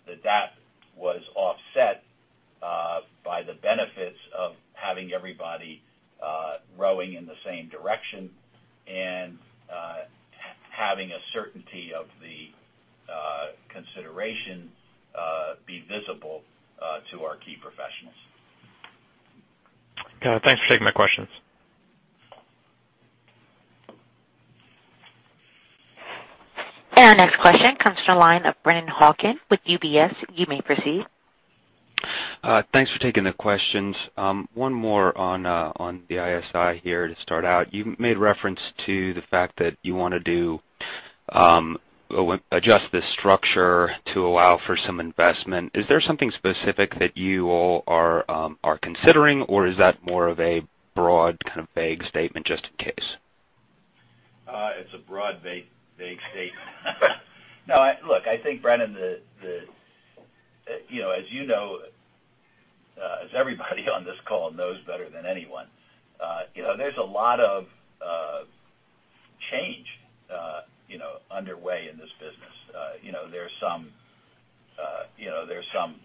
that that was offset by the benefits of having everybody rowing in the same direction and having a certainty of the consideration be visible to our key professionals. Got it. Thanks for taking the questions. Our next question comes from the line of Brennan Hawken with UBS. You may proceed. Thanks for taking the questions. One more on the ISI here to start out. You made reference to the fact that you want to adjust this structure to allow for some investment. Is there something specific that you all are considering, or is that more of a broad kind of vague statement just in case? It's a broad, vague statement. Look, I think, Brennan Hawken, as you know, as everybody on this call knows better than anyone, there's a lot of change underway in this business. There's some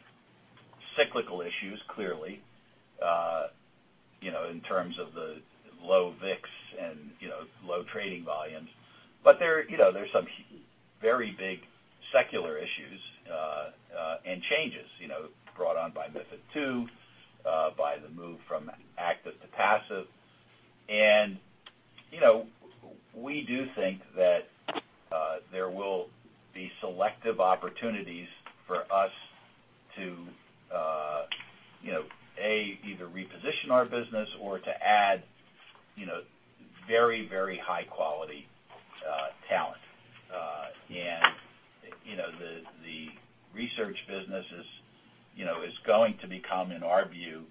cyclical issues, clearly, in terms of the low VIX and low trading volumes. There's some very big secular issues and changes brought on by MiFID II, by the move from active to passive. We do think that there will be selective opportunities for us to, A, either reposition our business or to add very high-quality talent. The research business is going to become, in our view,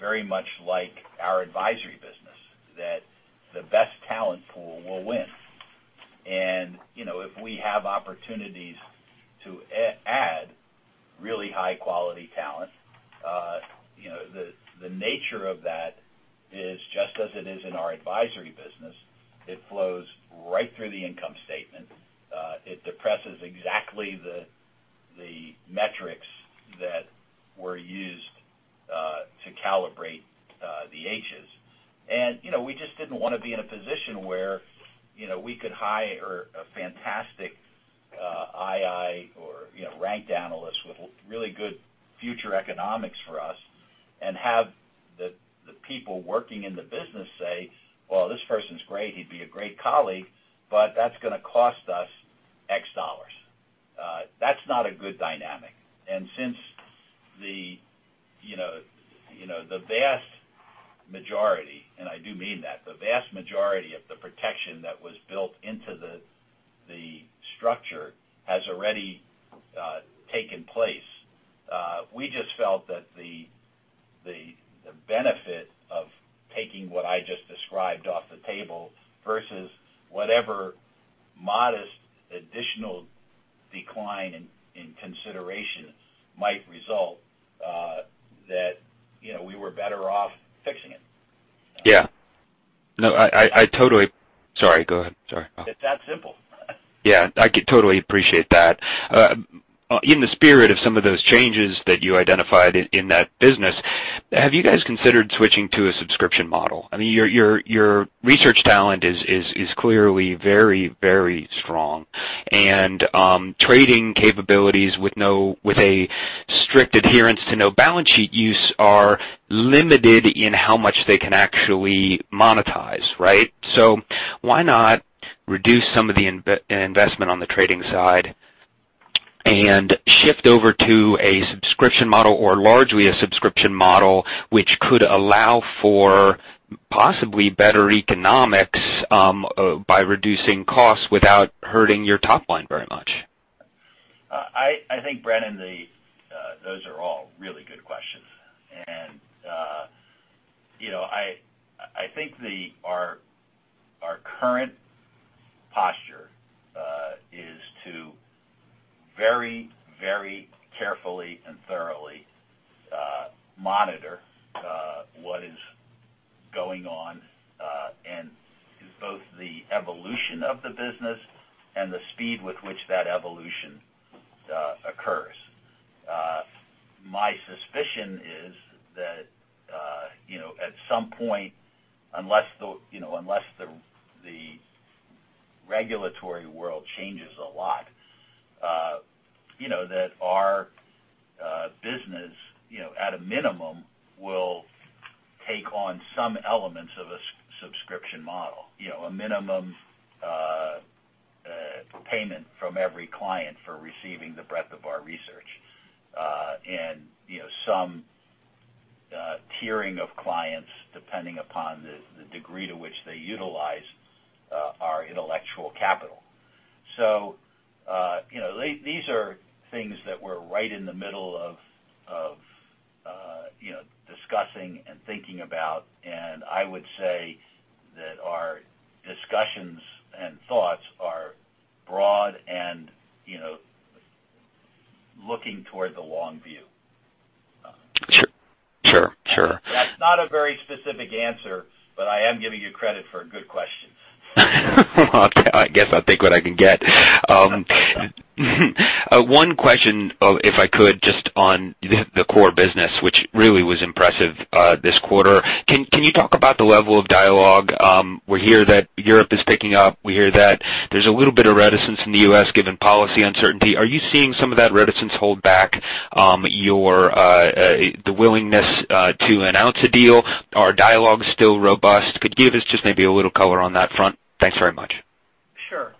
very much like our advisory business, that the best talent pool will win. If we have opportunities to add really high-quality talent, the nature of that is just as it is in our advisory business. It flows right through the income statement. It depresses exactly the metrics that were used to calibrate the Hs. We just didn't want to be in a position where we could hire a fantastic II or ranked analyst with really good future economics for us and have the people working in the business say, "Well, this person's great. He'd be a great colleague, but that's going to cost us X dollars." That's not a good dynamic. Since the vast majority, and I do mean that, the vast majority of the protection that was built into the structure has already taken place. We just felt that the benefit of taking what I just described off the table versus whatever modest additional decline in consideration might result that we were better off fixing it. Yeah. No. Sorry, go ahead. Sorry. It's that simple. Yeah, I could totally appreciate that. In the spirit of some of those changes that you identified in that business, have you guys considered switching to a subscription model? Your research talent is clearly very strong, and trading capabilities with a strict adherence to no balance sheet use are limited in how much they can actually monetize, right? Why not reduce some of the investment on the trading side and shift over to a subscription model, or largely a subscription model, which could allow for possibly better economics by reducing costs without hurting your top line very much? I think, Brennan, those are all really good questions. I think our current posture is to very carefully and thoroughly monitor what is going on in both the evolution of the business and the speed with which that evolution occurs. My suspicion is that at some point, unless the regulatory world changes a lot, that our business, at a minimum, will take on some elements of a subscription model. A minimum payment from every client for receiving the breadth of our research. Some tiering of clients, depending upon the degree to which they utilize our intellectual capital. These are things that we're right in the middle of discussing and thinking about, and I would say that our discussions and thoughts are broad and looking toward the long view. Sure. That's not a very specific answer, I am giving you credit for a good question. Okay. I guess I'll take what I can get. That's right, John. One question, if I could, just on the core business, which really was impressive this quarter. Can you talk about the level of dialogue? We hear that Europe is picking up. We hear that there's a little bit of reticence in the U.S., given policy uncertainty. Are you seeing some of that reticence hold back the willingness to announce a deal? Are dialogues still robust? Could you give us just maybe a little color on that front? Thanks very much. Sure.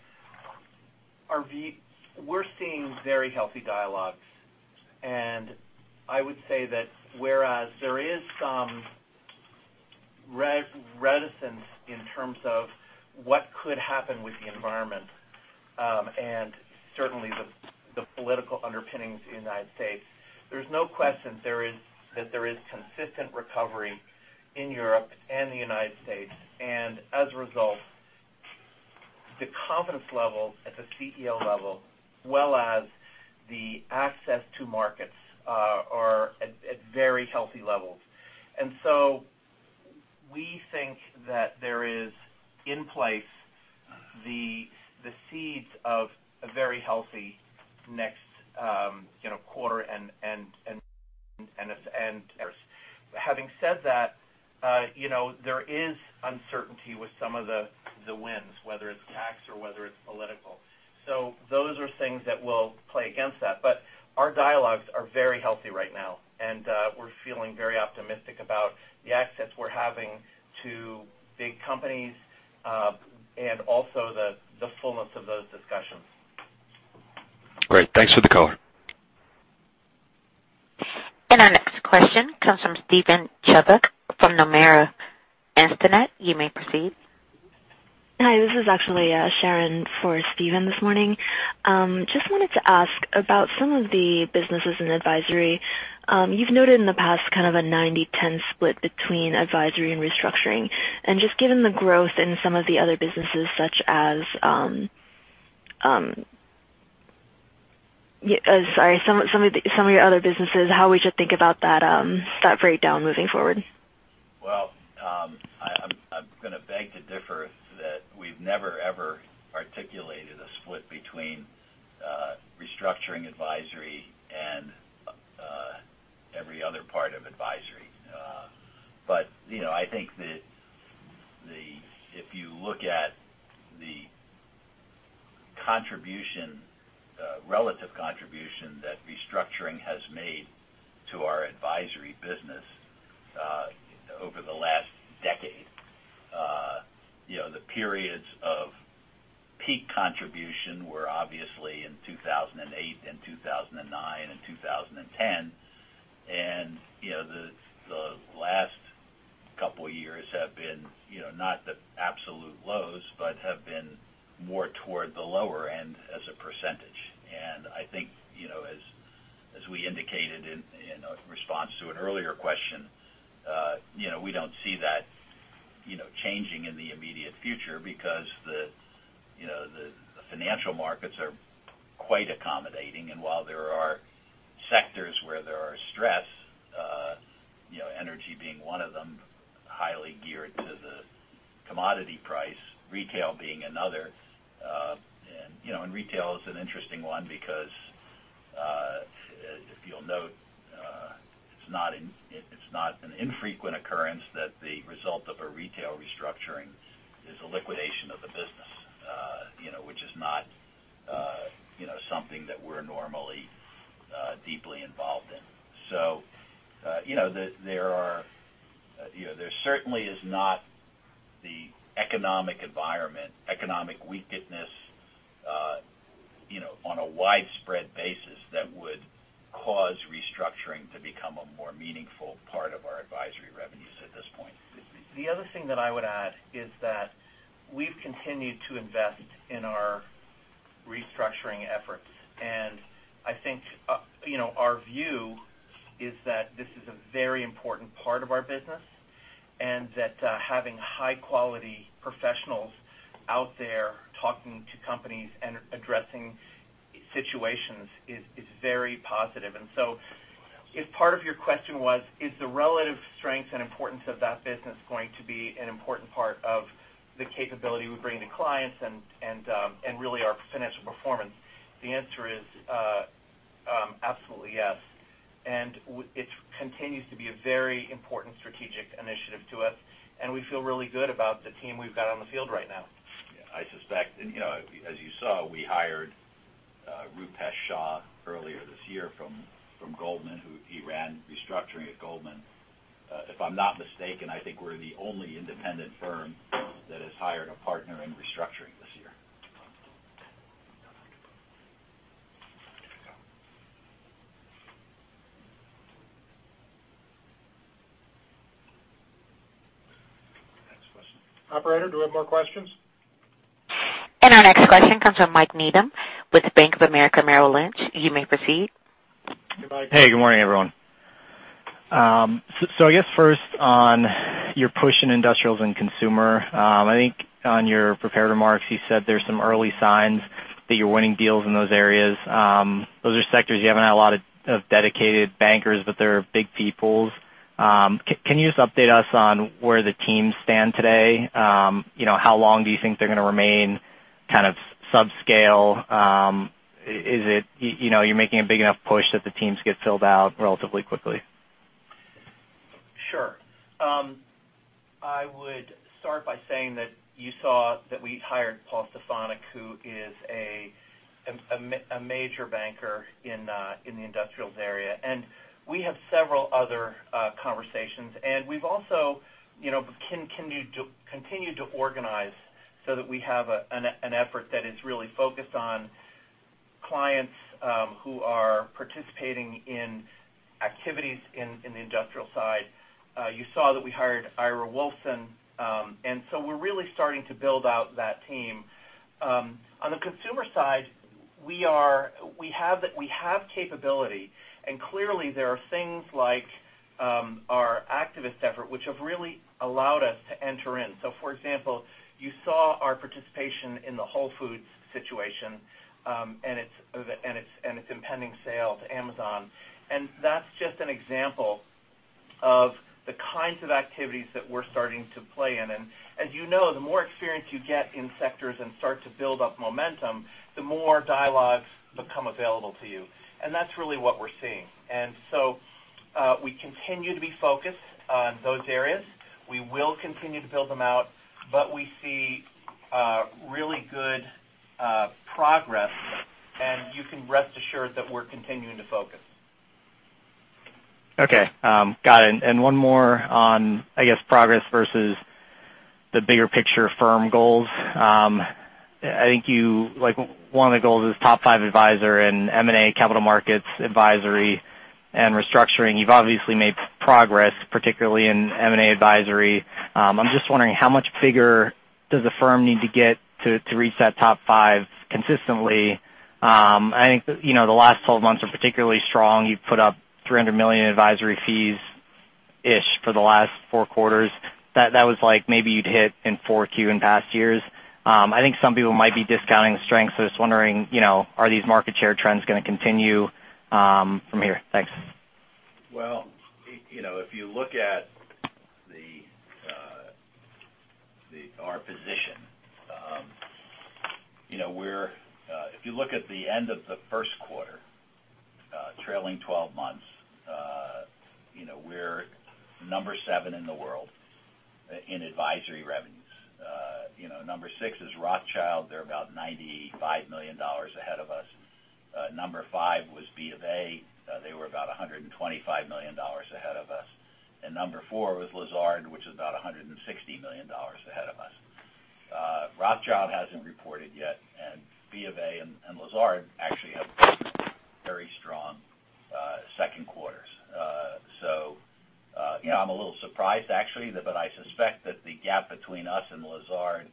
We're seeing very healthy dialogues. I would say that whereas there is some reticence in terms of what could happen with the environment, and certainly the political underpinnings in the United States, there's no question that there is consistent recovery in Europe and the United States. As a result, the confidence level at the CEO level, as well as the access to markets, are at very healthy levels. We think that there is, in place, the seeds of a very healthy next quarter and years. Having said that, there is uncertainty with some of the wins, whether it's tax or whether it's political. Those are things that will play against that. Our dialogues are very healthy right now, and we're feeling very optimistic about the access we're having to big companies, and also the fullness of those discussions. Great. Thanks for the color. Our next question comes from Steven Chubbuck from Nomura Instinet. You may proceed. Hi, this is actually Sharon for Steven this morning. Just wanted to ask about some of the businesses in advisory. You've noted in the past kind of a 90/10 split between advisory and restructuring. Just given the growth in some of the other businesses, some of your other businesses, how we should think about that breakdown moving forward? Well, I'm going to beg to differ that we've never, ever articulated a split between restructuring advisory and every other part of advisory. I think that if you look at the relative contribution that restructuring has made to our advisory business over the last decade, the periods of peak contribution were obviously in 2008 and 2009 and 2010. The last couple of years have been not the absolute lows, but have been more toward the lower end as a percentage. I think as we indicated in a response to an earlier question, we don't see that changing in the immediate future because the financial markets are quite accommodating. While there are sectors where there are stress, energy being one of them, highly geared to the commodity price, retail being another. Retail is an interesting one because, if you'll note, it's not an infrequent occurrence that the result of a retail restructuring is a liquidation of the business which is not something that we're normally deeply involved in. There certainly is not the economic environment, economic weakness on a widespread basis that would cause restructuring to become a more meaningful part of our advisory revenues at this point. The other thing that I would add is that we've continued to invest in our restructuring efforts. I think our view is that this is a very important part of our business, and that having high-quality professionals out there talking to companies and addressing situations is very positive. If part of your question was, is the relative strength and importance of that business going to be an important part of the capability we bring to clients and really our financial performance? The answer is Absolutely, yes. It continues to be a very important strategic initiative to us, and we feel really good about the team we've got on the field right now. Yeah. I suspect, as you saw, we hired Roopesh Shah earlier this year from Goldman. He ran restructuring at Goldman. If I'm not mistaken, I think we're the only independent firm that has hired a partner in restructuring this year. Next question. Operator, do we have more questions? Our next question comes from Mike Needham with Bank of America Merrill Lynch. You may proceed. Hey, Mike. Hey. Good morning, everyone. I guess first on your push in industrials and consumer, I think on your prepared remarks, you said there's some early signs that you're winning deals in those areas. Those are sectors you haven't had a lot of dedicated bankers, but they're big people. Can you just update us on where the teams stand today? How long do you think they're going to remain subscale? You're making a big enough push that the teams get filled out relatively quickly. Sure. I would start by saying that you saw that we hired Paul Stefanick, who is a major banker in the industrials area. We have several other conversations, and we've also continued to organize so that we have an effort that is really focused on clients who are participating in activities in the industrial side. You saw that we hired Ira Wolfson. We're really starting to build out that team. On the consumer side, we have capability, and clearly there are things like our activist effort, which have really allowed us to enter in. For example, you saw our participation in the Whole Foods situation, and its impending sale to Amazon. That's just an example of the kinds of activities that we're starting to play in. As you know, the more experience you get in sectors and start to build up momentum, the more dialogues become available to you. That's really what we're seeing. We continue to be focused on those areas. We will continue to build them out, but we see really good progress, and you can rest assured that we're continuing to focus. Okay. Got it. One more on, I guess, progress versus the bigger picture firm goals. I think one of the goals is top five advisor in M&A capital markets advisory and restructuring. You've obviously made progress, particularly in M&A advisory. I'm just wondering how much bigger does the firm need to get to reach that top five consistently? I think, the last 12 months are particularly strong. You've put up $300 million in advisory fees-ish for the last 4 quarters. That was like maybe you'd hit in 4Q in past years. I think some people might be discounting the strength. Just wondering, are these market share trends going to continue from here? Thanks. If you look at our position. If you look at the end of the first quarter, trailing 12 months, we're number 7 in the world in advisory revenues. Number 6 is Rothschild. They're about $95 million ahead of us. Number 5 was BofA. They were about $125 million ahead of us. Number 4 was Lazard, which is about $160 million ahead of us. Rothschild hasn't reported yet, and BofA and Lazard actually have very strong second quarters. I'm a little surprised, actually. I suspect that the gap between us and Lazard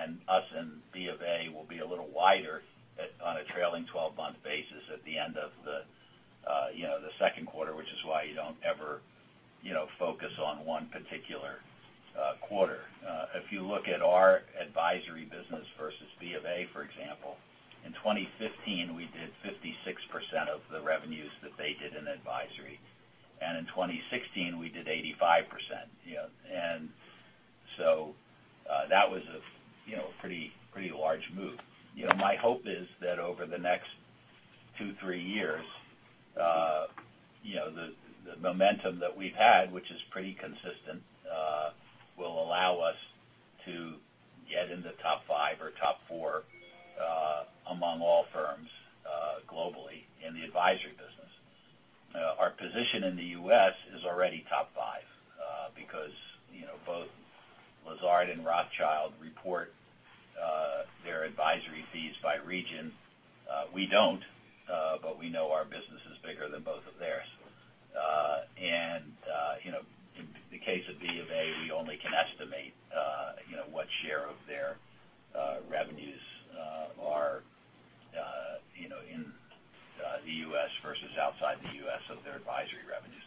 and us and BofA will be a little wider on a trailing 12-month basis at the end of the second quarter, which is why you don't ever focus on one particular quarter. If you look at our advisory business versus BofA, for example, in 2015, we did 56% of the revenues that they did in advisory. In 2016, we did 85%. That was a pretty large move. My hope is that over the next two, three years, the momentum that we've had, which is pretty consistent, will allow us to get into top five or top four among all firms globally in the advisory business. Our position in the U.S. is already top five, because both Lazard and Rothschild report their advisory fees by region. We don't, but we know our business is bigger than both of theirs. In the case of BofA, we only can estimate what share of their revenues are in the U.S. versus outside the U.S. of their advisory revenues.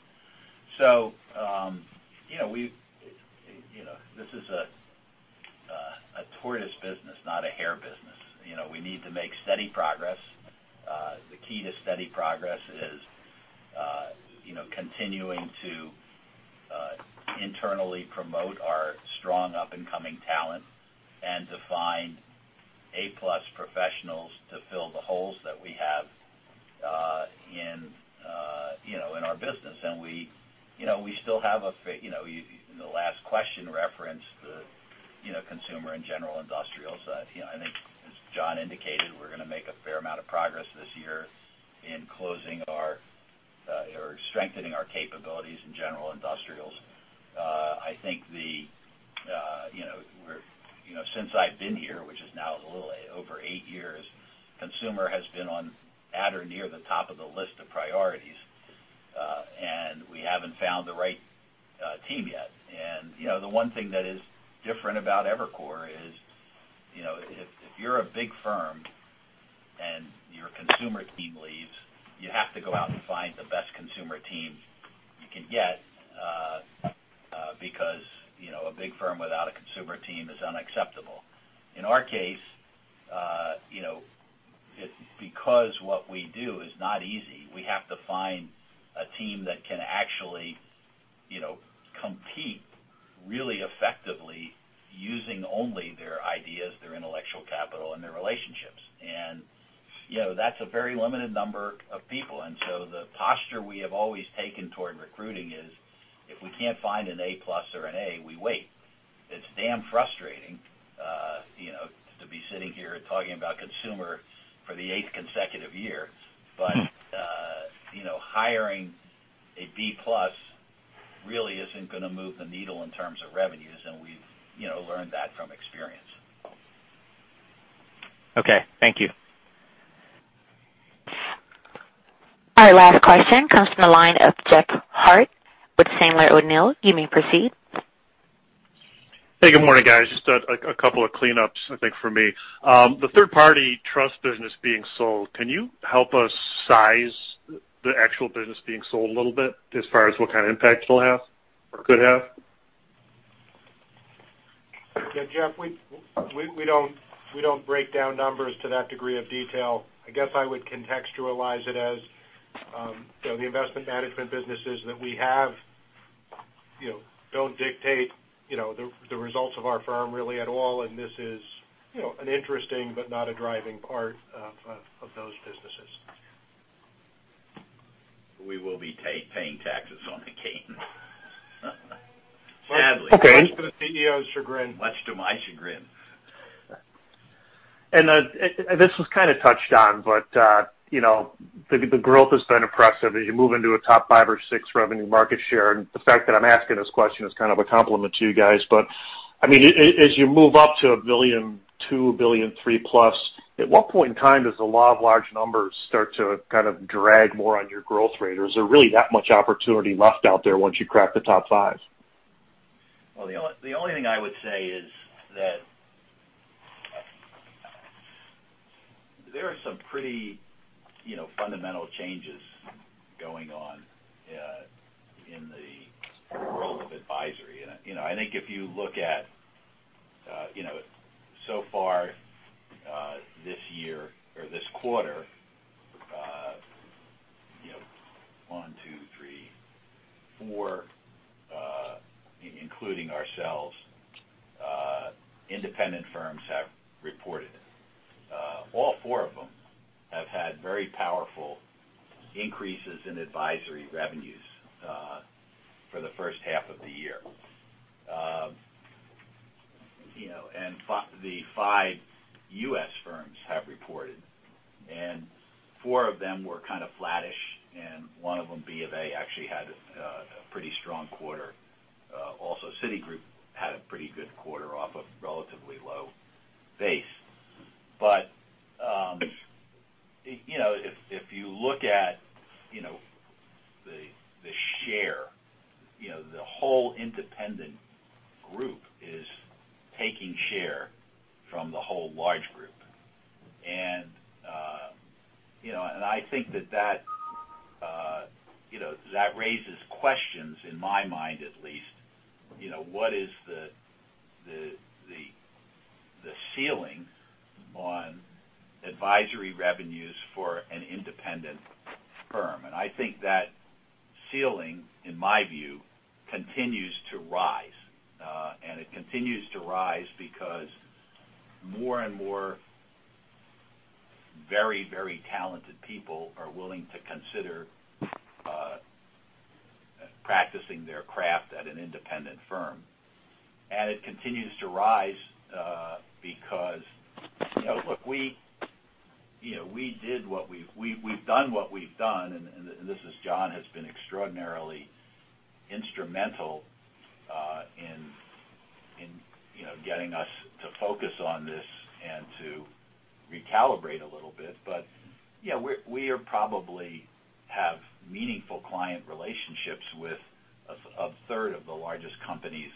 This is a tortoise business, not a hare business. We need to make steady progress. The key to steady progress is continuing to internally promote our strong up-and-coming talent and to find A-plus professionals to fill the holes that we have in our business. We still have, the last question referenced the consumer and general industrials. I think as John indicated, we're going to make a fair amount of progress this year in closing or strengthening our capabilities in general industrials. I think since I've been here, which is now a little over eight years, consumer has been on at or near the top of the list of priorities. We haven't found the right team yet. The one thing that is different about Evercore is, if you're a big firm and your consumer team leaves, you have to go out and find the best consumer team you can get, because a big firm without a consumer team is unacceptable. In our case, because what we do is not easy, we have to find a team that can actually compete really effectively using only their ideas, their intellectual capital, and their relationships. That's a very limited number of people. So the posture we have always taken toward recruiting is, if we can't find an A-plus or an A, we wait. It's damn frustrating to be sitting here talking about consumer for the eighth consecutive year. Hiring a B-plus really isn't going to move the needle in terms of revenues, and we've learned that from experience. Okay. Thank you. Our last question comes from the line of Jeff Harte with Sandler O'Neill. You may proceed. Hey, good morning, guys. Just a couple of cleanups, I think, from me. The third-party trust business being sold, can you help us size the actual business being sold a little bit as far as what kind of impact it'll have or could have? Yeah, Jeff, we don't break down numbers to that degree of detail. I guess I would contextualize it as the investment management businesses that we have don't dictate the results of our firm really at all, and this is an interesting but not a driving part of those businesses. We will be paying taxes on the gain. Sadly. Okay. Much to the CEO's chagrin. Much to my chagrin. This was kind of touched on, but the growth has been impressive as you move into a top five or six revenue market share. The fact that I'm asking this question is kind of a compliment to you guys. As you move up to $1.2 billion, $1.3 billion plus, at what point in time does the law of large numbers start to kind of drag more on your growth rate? Is there really that much opportunity left out there once you crack the top five? Well, the only thing I would say is that there are some pretty fundamental changes going on in the world of advisory. I think if you look at so far this year or this quarter, one, two, three, four, including ourselves, independent firms have reported. All four of them have had very powerful increases in advisory revenues for the first half of the year. The five U.S. firms have reported, and four of them were kind of flattish, and one of them, BofA, actually had a pretty strong quarter. Also, Citigroup had a pretty good quarter off a relatively low base. If you look at the share, the whole independent group is taking share from the whole large group. I think that raises questions in my mind at least. What is the ceiling on advisory revenues for an independent firm? I think that ceiling, in my view, continues to rise. It continues to rise because more and more very talented people are willing to consider practicing their craft at an independent firm. It continues to rise because, look, we've done what we've done, and this is John, has been extraordinarily instrumental in getting us to focus on this and to recalibrate a little bit. We probably have meaningful client relationships with a third of the largest companies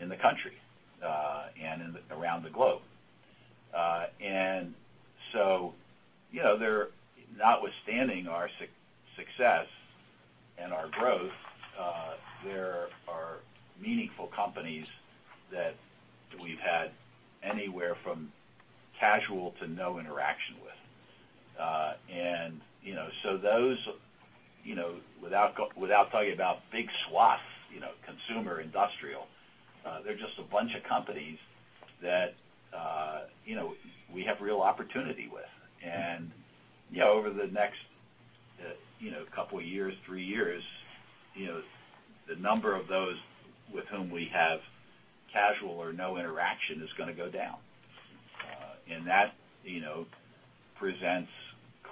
in the country and around the globe. Notwithstanding our success and our growth, there are meaningful companies that we've had anywhere from casual to no interaction with. Those, without talking about big swaths, consumer, industrial, they're just a bunch of companies that we have real opportunity with. Over the next couple years, three years, the number of those with whom we have casual or no interaction is going to go down. That presents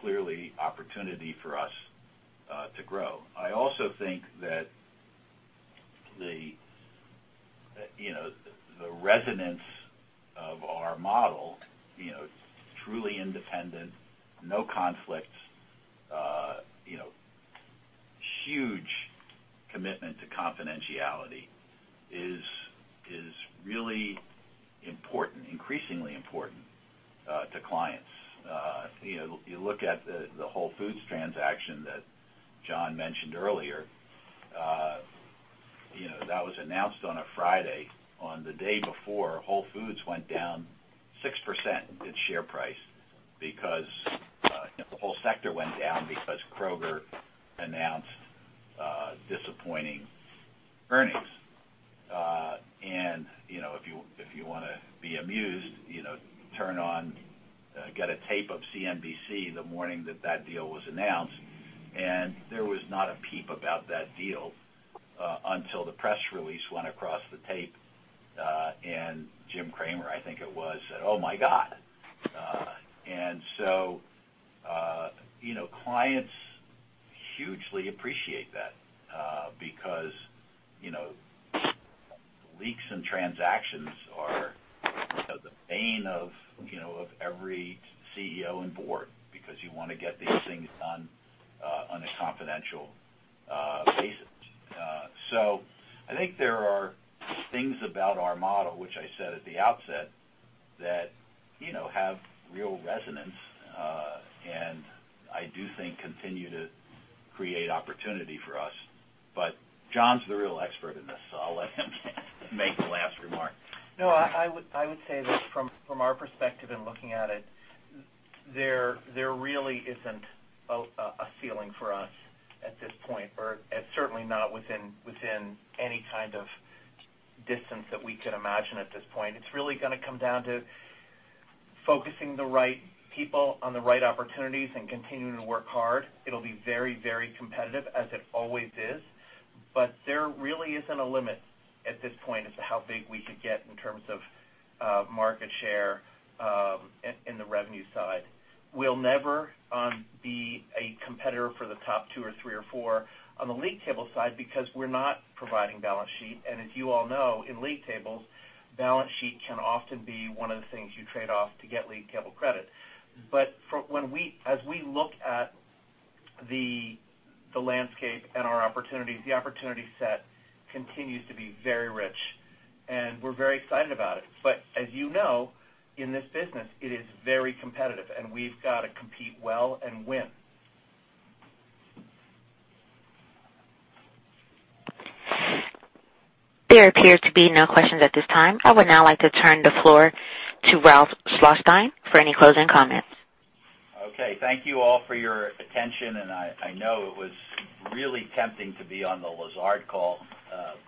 clearly opportunity for us to grow. I also think that the resonance of our model, truly independent, no conflicts, huge commitment to confidentiality is really important, increasingly important to clients. You look at the Whole Foods transaction that John mentioned earlier. That was announced on a Friday. On the day before, Whole Foods went down 6% in its share price because the whole sector went down because Kroger announced disappointing earnings. If you want to be amused, get a tape of CNBC the morning that that deal was announced, there was not a peep about that deal until the press release went across the tape, Jim Cramer, I think it was, said, "Oh, my God." Clients hugely appreciate that because leaks in transactions are the bane of every CEO and board because you want to get these things done on a confidential basis. I think there are things about our model, which I said at the outset, that have real resonance and I do think continue to create opportunity for us. John's the real expert in this, so I'll let him make the last remark. No, I would say that from our perspective in looking at it, there really isn't a ceiling for us at this point, or certainly not within any kind of distance that we could imagine at this point. It's really going to come down to focusing the right people on the right opportunities and continuing to work hard. It'll be very competitive, as it always is. There really isn't a limit at this point as to how big we could get in terms of market share in the revenue side. We'll never be a competitor for the top two or three or four on the league table side because we're not providing balance sheet. As you all know, in league tables, balance sheet can often be one of the things you trade off to get league table credit. As we look at the landscape and our opportunities, the opportunity set continues to be very rich, and we're very excited about it. As you know, in this business, it is very competitive, and we've got to compete well and win. There appear to be no questions at this time. I would now like to turn the floor to Ralph Schlosstein for any closing comments. Okay. Thank you all for your attention, and I know it was really tempting to be on the Lazard call,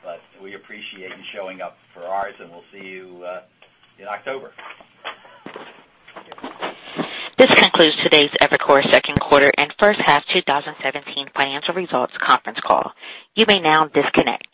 but we appreciate you showing up for ours, and we'll see you in October. This concludes today's Evercore second quarter and first half 2017 financial results conference call. You may now disconnect.